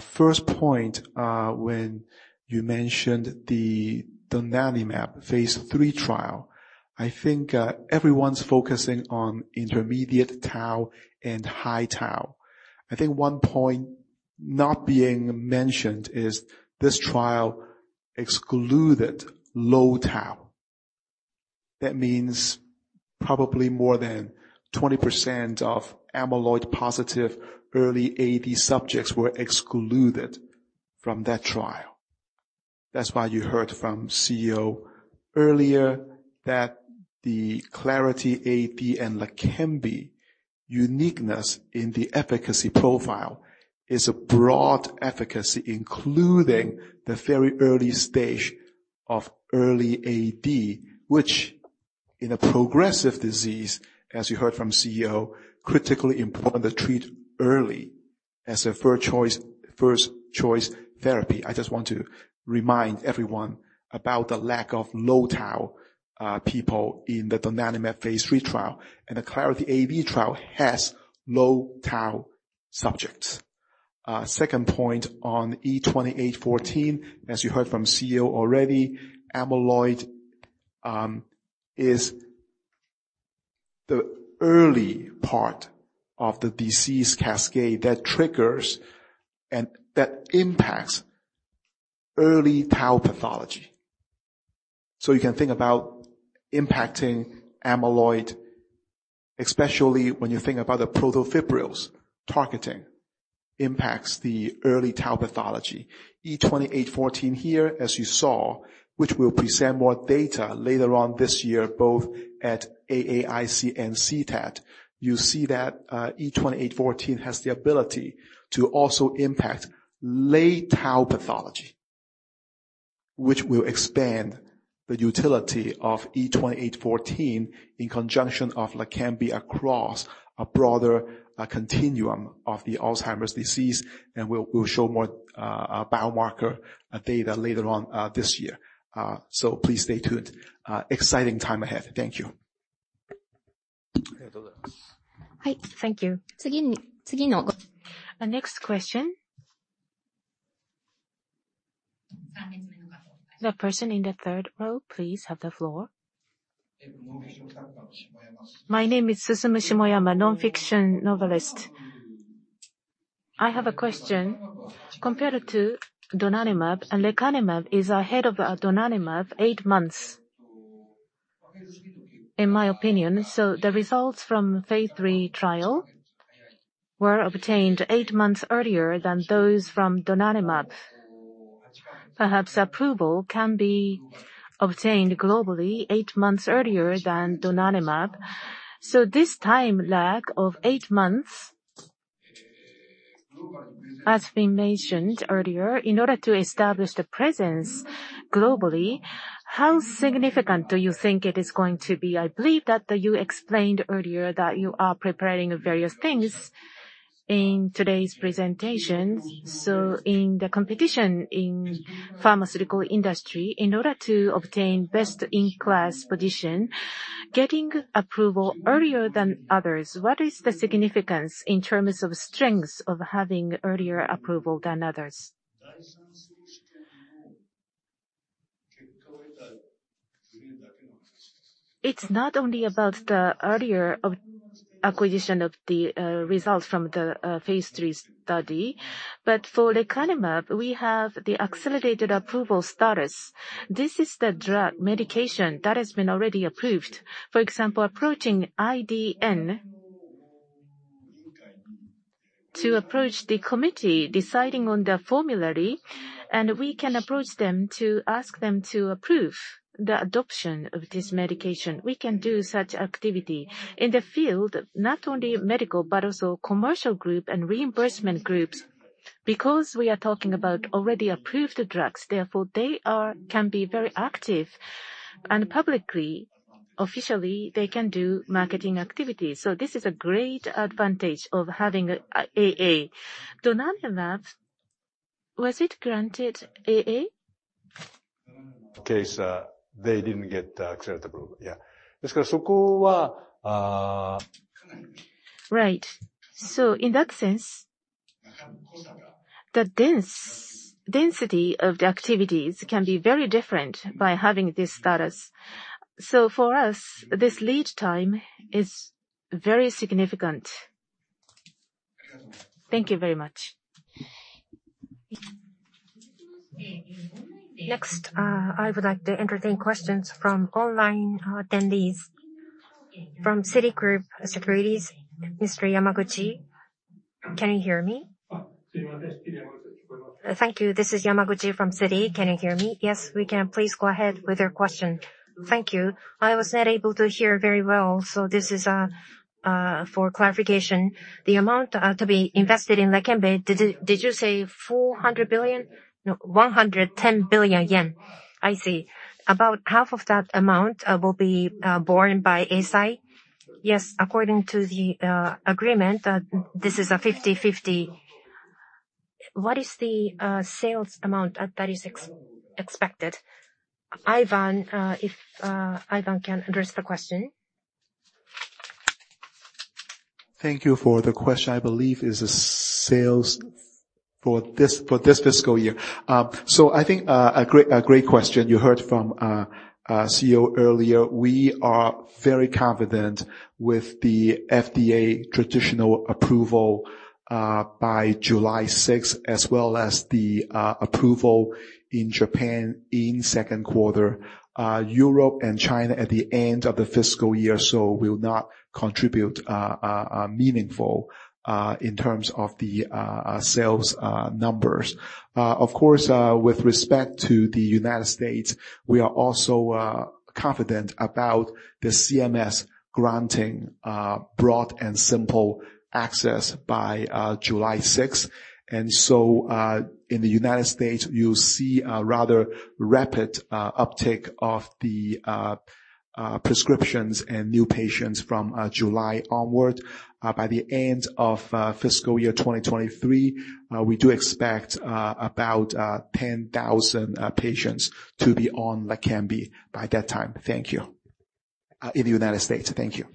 First point, when you mentioned the donanemab phase III trial. I think everyone's focusing on intermediate tau and high tau. I think 1 point not being mentioned is this trial excluded low tau. Probably more than 20% of amyloid-positive early AD subjects were excluded from that trial. Why you heard from CEO earlier that the Clarity AD and LEQEMBI uniqueness in the efficacy profile is a broad efficacy, including the very early stage of early AD. In a progressive disease, as you heard from CEO, critically important to treat early as a first-choice therapy. I just want to remind everyone about the lack of low tau people in the donanemab phase III trial. The Clarity AD trial has low tau subjects. Second point on E2814, as you heard from CEO already, amyloid is the early part of the disease cascade that triggers and that impacts early tau pathology. You can think about impacting amyloid, especially when you think about the protofibrils targeting impacts the early tau pathology. E2814 here, as you saw, which we'll present more data later on this year, both at AAIC and CTAD. You see that E2814 has the ability to also impact late tau pathology. Which will expand the utility of E2814 in conjunction of LEQEMBI across a broader continuum of the Alzheimer's disease. We'll show more biomarker data later on this year. Please stay tuned. Exciting time ahead. Thank you. Thank you. The next question. The person in the third row, please have the floor. My name is Susumu Shimoyama, nonfiction novelist. I have a question. Compared to donanemab and lecanemab is ahead of donanemab 8 months, in my opinion. The results from phase III trial were obtained 8 months earlier than those from donanemab. Perhaps approval can be obtained globally 8 months earlier than donanemab. This time lag of 8 months. As we mentioned earlier, in order to establish the presence globally, how significant do you think it is going to be? I believe that you explained earlier that you are preparing various things in today's presentation. In the competition in pharmaceutical industry, in order to obtain best-in-class position, getting approval earlier than others, what is the significance in terms of strengths of having earlier approval than others? It's not only about the earlier acquisition of the results from the phase III study, but for lecanemab, we have the accelerated approval status. This is the drug medication that has been already approved. For example, approaching IDN. To approach the committee deciding on the formulary, we can approach them to ask them to approve the adoption of this medication. We can do such activity. In the field, not only medical, but also commercial group and reimbursement groups. We are talking about already approved drugs, therefore they can be very active and publicly, officially, they can do marketing activities. This is a great advantage of having AA. donanemab, was it granted AA? Case, they didn't get accepted. Yeah. Right. In that sense, the density of the activities can be very different by having this status. For us, this lead time is very significant. Thank you very much. Next, I would like to entertain questions from online attendees. From Citigroup Securities, Mr. Yamaguchi. Can you hear me? Thank you. This is Yamaguchi from Citi. Can you hear me? Yes, we can. Please go ahead with your question. Thank you. I was not able to hear very well. This is for clarification. The amount to be invested in Leqembi, did you say 400 billion? No, 110 billion yen. I see. About half of that amount, will be borne by Eisai? Yes. According to the agreement, this is a 50/50. What is the sales amount that is expected? Ivan, if Ivan can address the question. Thank you for the question. I believe it's the sales for this fiscal year. I think a great question. You heard from our CEO earlier. We are very confident with the FDA traditional approval by July sixth, as well as the approval in Japan in second quarter. Europe and China at the end of the fiscal year will not contribute meaningful in terms of the sales numbers. Of course, with respect to the United States, we are also confident about the CMS granting broad and simple access by July sixth. In the United States, you'll see a rather rapid uptick of the prescriptions and new patients from July onward. By the end of fiscal year 2023, we do expect about 10,000 patients to be on Leqembi by that time in the United States. Thank you.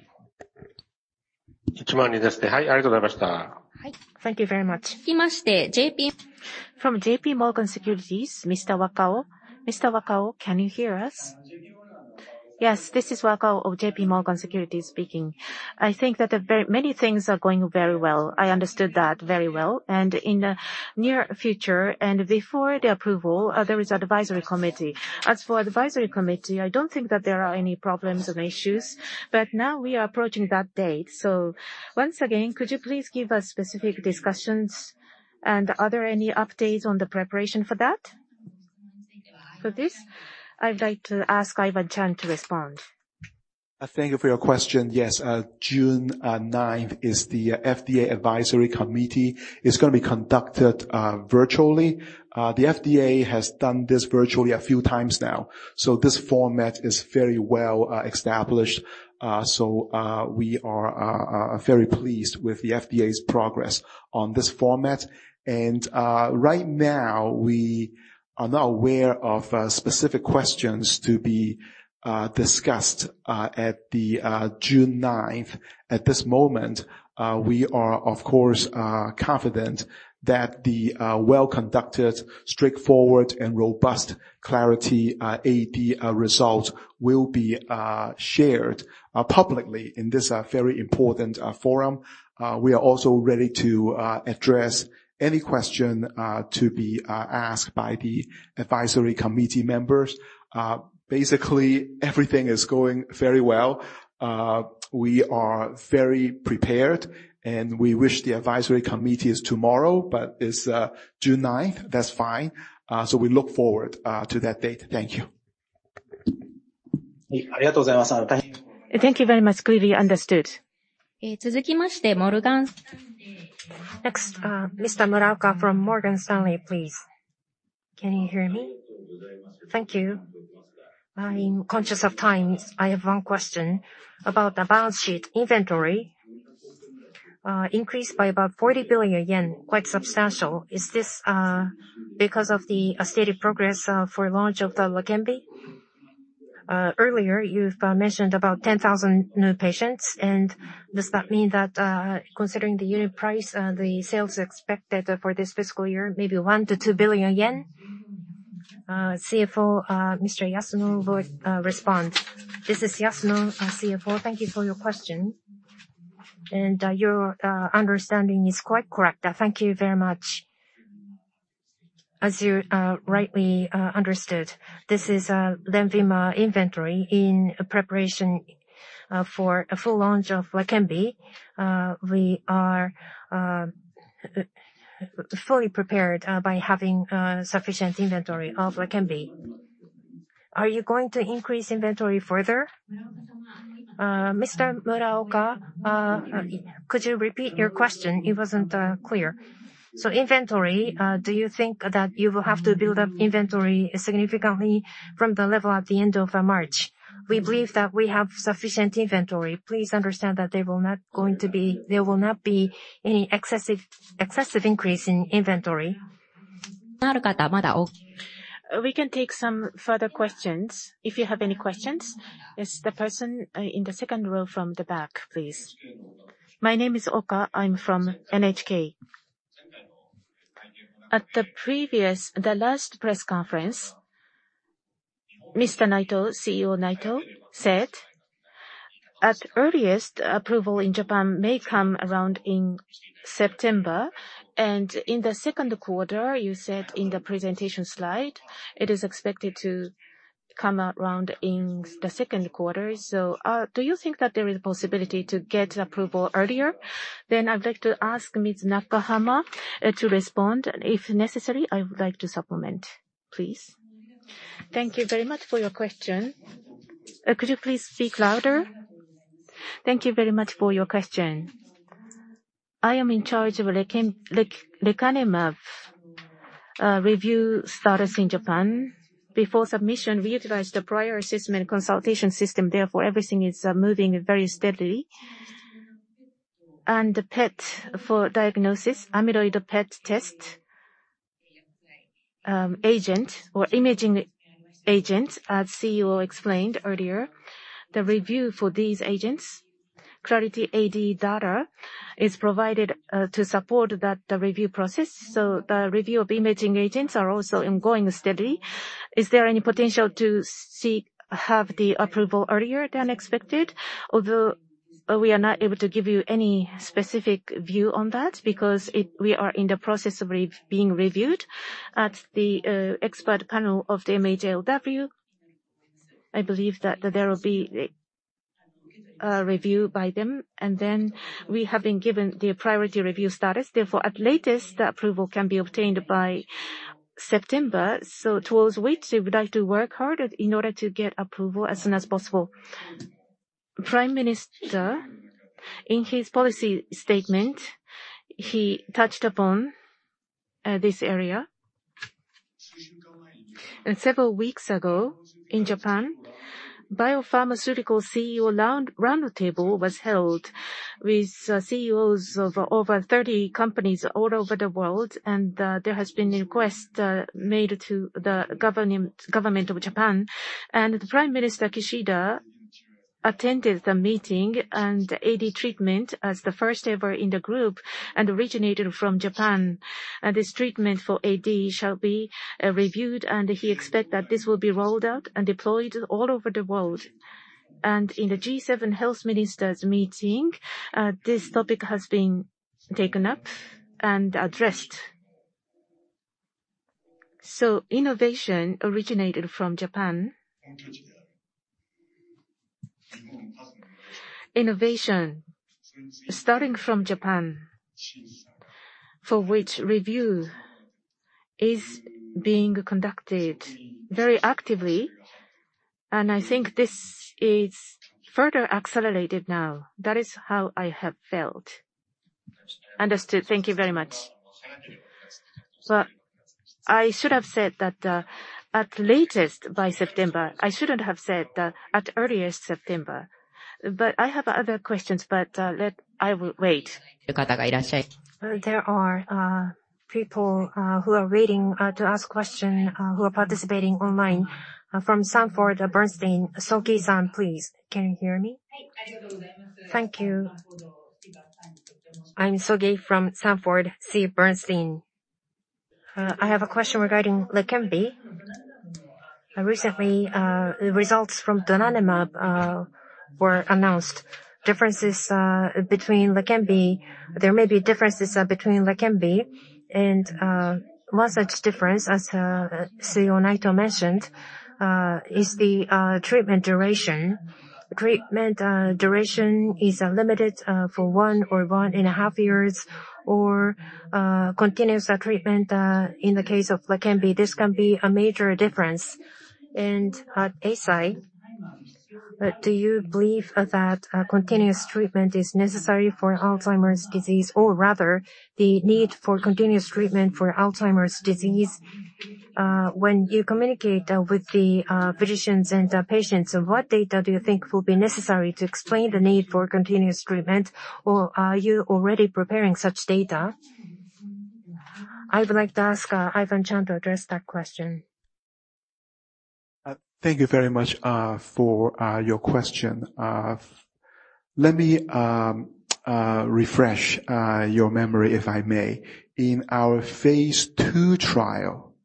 Thank you very much. From J.P. Morgan Securities, Mr. Wakao. Mr. Wakao, can you hear us? Yes. This is Wakao of J.P. Morgan Securities speaking. I think that many things are going very well. I understood that very well. In the near future, and before the approval, there is advisory committee. As for advisory committee, I don't think that there are any problems or issues, but now we are approaching that date. Once again, could you please give us specific discussions and are there any updates on the preparation for that? For this, I'd like to ask Ivan Cheung to respond. Thank you for your question. Yes, June 9th is the FDA advisory committee. It's gonna be conducted virtually. The FDA has done this virtually a few times now, this format is very well established. We are very pleased with the FDA's progress on this format. Right now, we are not aware of specific questions to be discussed at the June 9th. At this moment, we are of course confident that the well-conducted, straightforward and robust Clarity AD result will be shared publicly in this very important forum. We are also ready to address any question to be asked by the advisory committee members. Basically, everything is going very well. We are very prepared. We wish the advisory committee is tomorrow, but it's June ninth. That's fine. We look forward to that date. Thank you. Thank you very much. Clearly understood. Next, Mr. Muraoka from Morgan Stanley, please. Can you hear me? Thank you. I'm conscious of time. I have one question about the balance sheet inventory, increased by about 40 billion yen, quite substantial. Is this because of the steady progress for launch of the Leqembi? Earlier you've mentioned about 10,000 new patients, and does that mean that considering the unit price, the sales expected for this fiscal year, maybe 1 billion-2 billion yen? CFO, Mr. Yasuno will respond. This is Yasuno, CFO. Thank you for your question. Your understanding is quite correct. Thank you very much. As you rightly understood, this is Lenvima inventory in preparation for a full launch of Leqembi. We are fully prepared by having sufficient inventory of Leqembi. Are you going to increase inventory further? Mr. Muraoka, could you repeat your question? It wasn't clear. Inventory, do you think that you will have to build up inventory significantly from the level at the end of March? We believe that we have sufficient inventory. Please understand that there will not be any excessive increase in inventory. We can take some further questions if you have any questions. Yes, the person in the second row from the back, please. My name is Oka. I'm from NHK. At the previous, the last press conference, Mr. Naito, CEO Naito said, "At earliest, approval in Japan may come around in September." In the second quarter, you said in the presentation slide it is expected to come around in the second quarter. Do you think that there is possibility to get approval earlier? I'd like to ask Ms. Nakahama to respond. If necessary, I would like to supplement. Please. Thank you very much for your question. Could you please speak louder? Thank you very much for your question. I am in charge of lecanemab review status in Japan. Before submission, we utilized the prior assessment consultation system, therefore everything is moving very steadily. The PET for diagnosis, amyloid PET test, agent or imaging agent, as CEO explained earlier. The review for these agents, Clarity AD data, is provided to support that, the review process. The review of imaging agents are also in going steadily. Is there any potential to see, have the approval earlier than expected? Although we are not able to give you any specific view on that, because we are in the process of being reviewed. At the expert panel of the MHLW, I believe that there will be a review by them. We have been given the priority review status. Therefore, at latest, the approval can be obtained by September. Towards which we would like to work hard in order to get approval as soon as possible. Prime Minister, in his policy statement, he touched upon this area. Several weeks ago in Japan, biopharmaceutical CEO roundtable was held with CEOs of over 30 companies all over the world. There has been request made to the government of Japan. Prime Minister Kishida attended the meeting. AD treatment, as the first ever in the group, and originated from Japan. This treatment for AD shall be reviewed, and he expect that this will be rolled out and deployed all over the world. In the G7 health ministers meeting, this topic has been taken up and addressed. Innovation originated from Japan. Innovation starting from Japan, for which review is being conducted very actively. I think this is further accelerated now. That is how I have felt. Understood. Thank you very much. I should have said that, at latest by September. I shouldn't have said, at earliest September. I have other questions, but I will wait. There are people who are waiting to ask question who are participating online. From Sanford C. Bernstein, Sogi-San, please. Can you hear me? Thank you. I'm Sogi from Sanford C. Bernstein. I have a question regarding Leqembi. Recently, results from donanemab were announced. Differences between Leqembi. There may be differences between Leqembi and one such difference, as CEO Naito mentioned, is the treatment duration. Treatment duration is limited for 1 or one and a half years, or continuous treatment in the case of Leqembi. This can be a major difference. Do you believe that continuous treatment is necessary for Alzheimer's disease or rather the need for continuous treatment for Alzheimer's disease? When you communicate with the physicians and the patients, what data do you think will be necessary to explain the need for continuous treatment or are you already preparing such data? I would like to ask, Ivan Cheung to address that question. Thank you very much for your question. Let me refresh your memory if I may. In our phase II trial,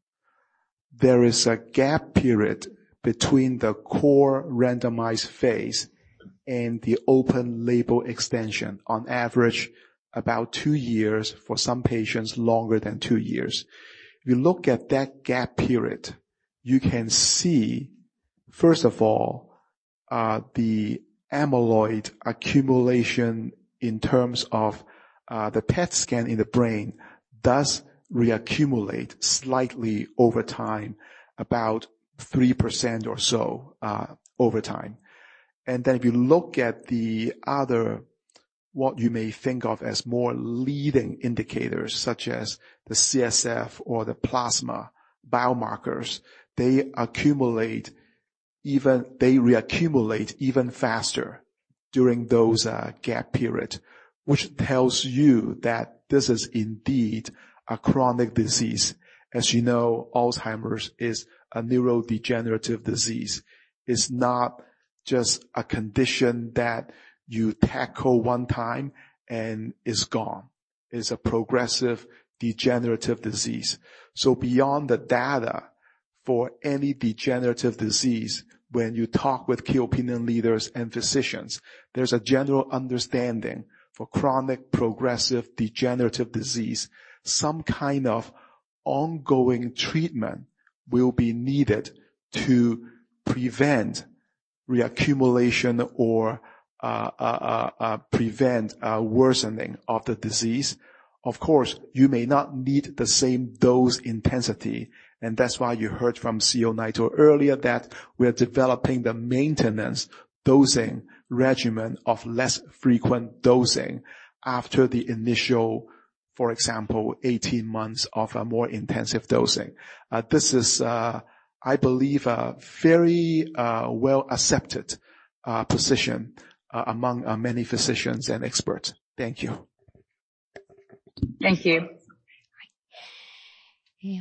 there is a gap period between the core randomized phase and the open label extension. On average about 2 years, for some patients longer than 2 years. If you look at that gap period, you can see first of all, the amyloid accumulation in terms of the PET scan in the brain does reaccumulate slightly over time, about 3% or so over time. If you look at the other, what you may think of as more leading indicators, such as the CSF or the plasma biomarkers, They reaccumulate even faster during those gap period. Which tells you that this is indeed a chronic disease. As you know, Alzheimer's is a neurodegenerative disease. It's not just a condition that you tackle one time and it's gone. It's a progressive degenerative disease. Beyond the data for any degenerative disease, when you talk with key opinion leaders and physicians, there's a general understanding for chronic progressive degenerative disease. Some kind of ongoing treatment will be needed to prevent reaccumulation or prevent worsening of the disease. Of course, you may not need the same dose intensity, and that's why you heard from CEO Naito earlier that we're developing the maintenance dosing regimen of less frequent dosing after the initial, for example, 18 months of a more intensive dosing. This is, I believe, a very well-accepted position among many physicians and experts. Thank you. Thank you. I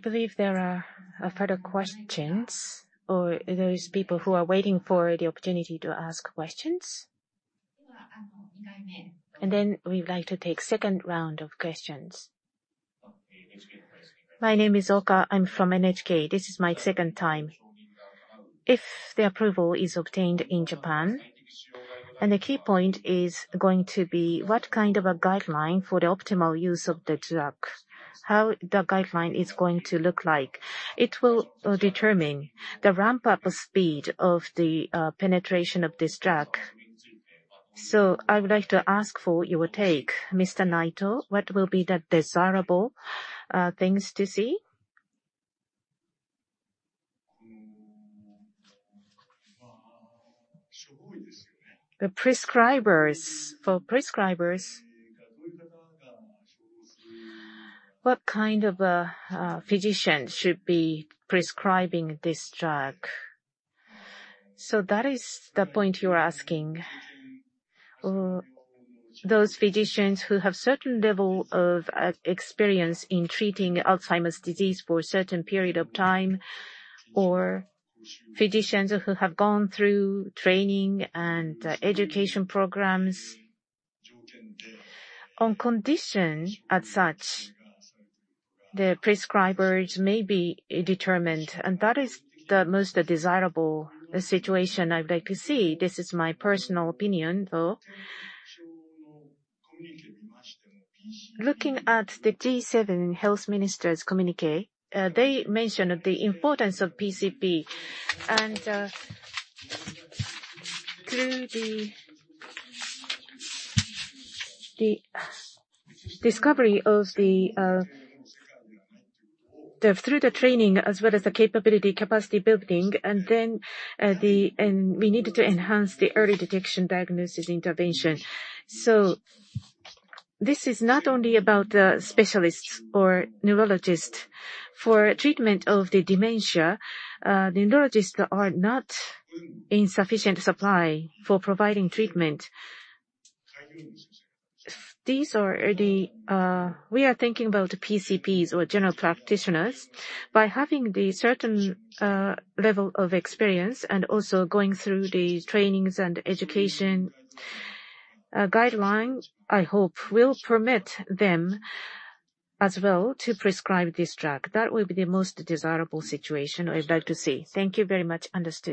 believe there are further questions or those people who are waiting for the opportunity to ask questions. We would like to take second round of questions. My name is Oka, I'm from NHK. This is my second time. If the approval is obtained in Japan, the key point is going to be what kind of a guideline for the optimal use of the drug, how the guideline is going to look like. It will determine the ramp-up speed of the penetration of this drug. I would like to ask for your take. Mr. Naito, what will be the desirable things to see? The prescribers. For prescribers. What kind of a physician should be prescribing this drug? That is the point you're asking. Those physicians who have certain level of experience in treating Alzheimer's disease for a certain period of time, or physicians who have gone through training and education programs. On condition as such, the prescribers may be determined, and that is the most desirable situation I'd like to see. This is my personal opinion, though. Looking at the G7 Health Ministers' communiqué, they mentioned the importance of PCP. Through the discovery of the through the training as well as the capability, capacity building and then, we needed to enhance the early detection diagnosis intervention. This is not only about specialists or neurologists. For treatment of the dementia, neurologists are not in sufficient supply for providing treatment. We are thinking about PCPs or general practitioners. By having the certain level of experience and also going through the trainings and education, guideline, I hope will permit them as well to prescribe this drug. That will be the most desirable situation I'd like to see. Thank you very much. Understood.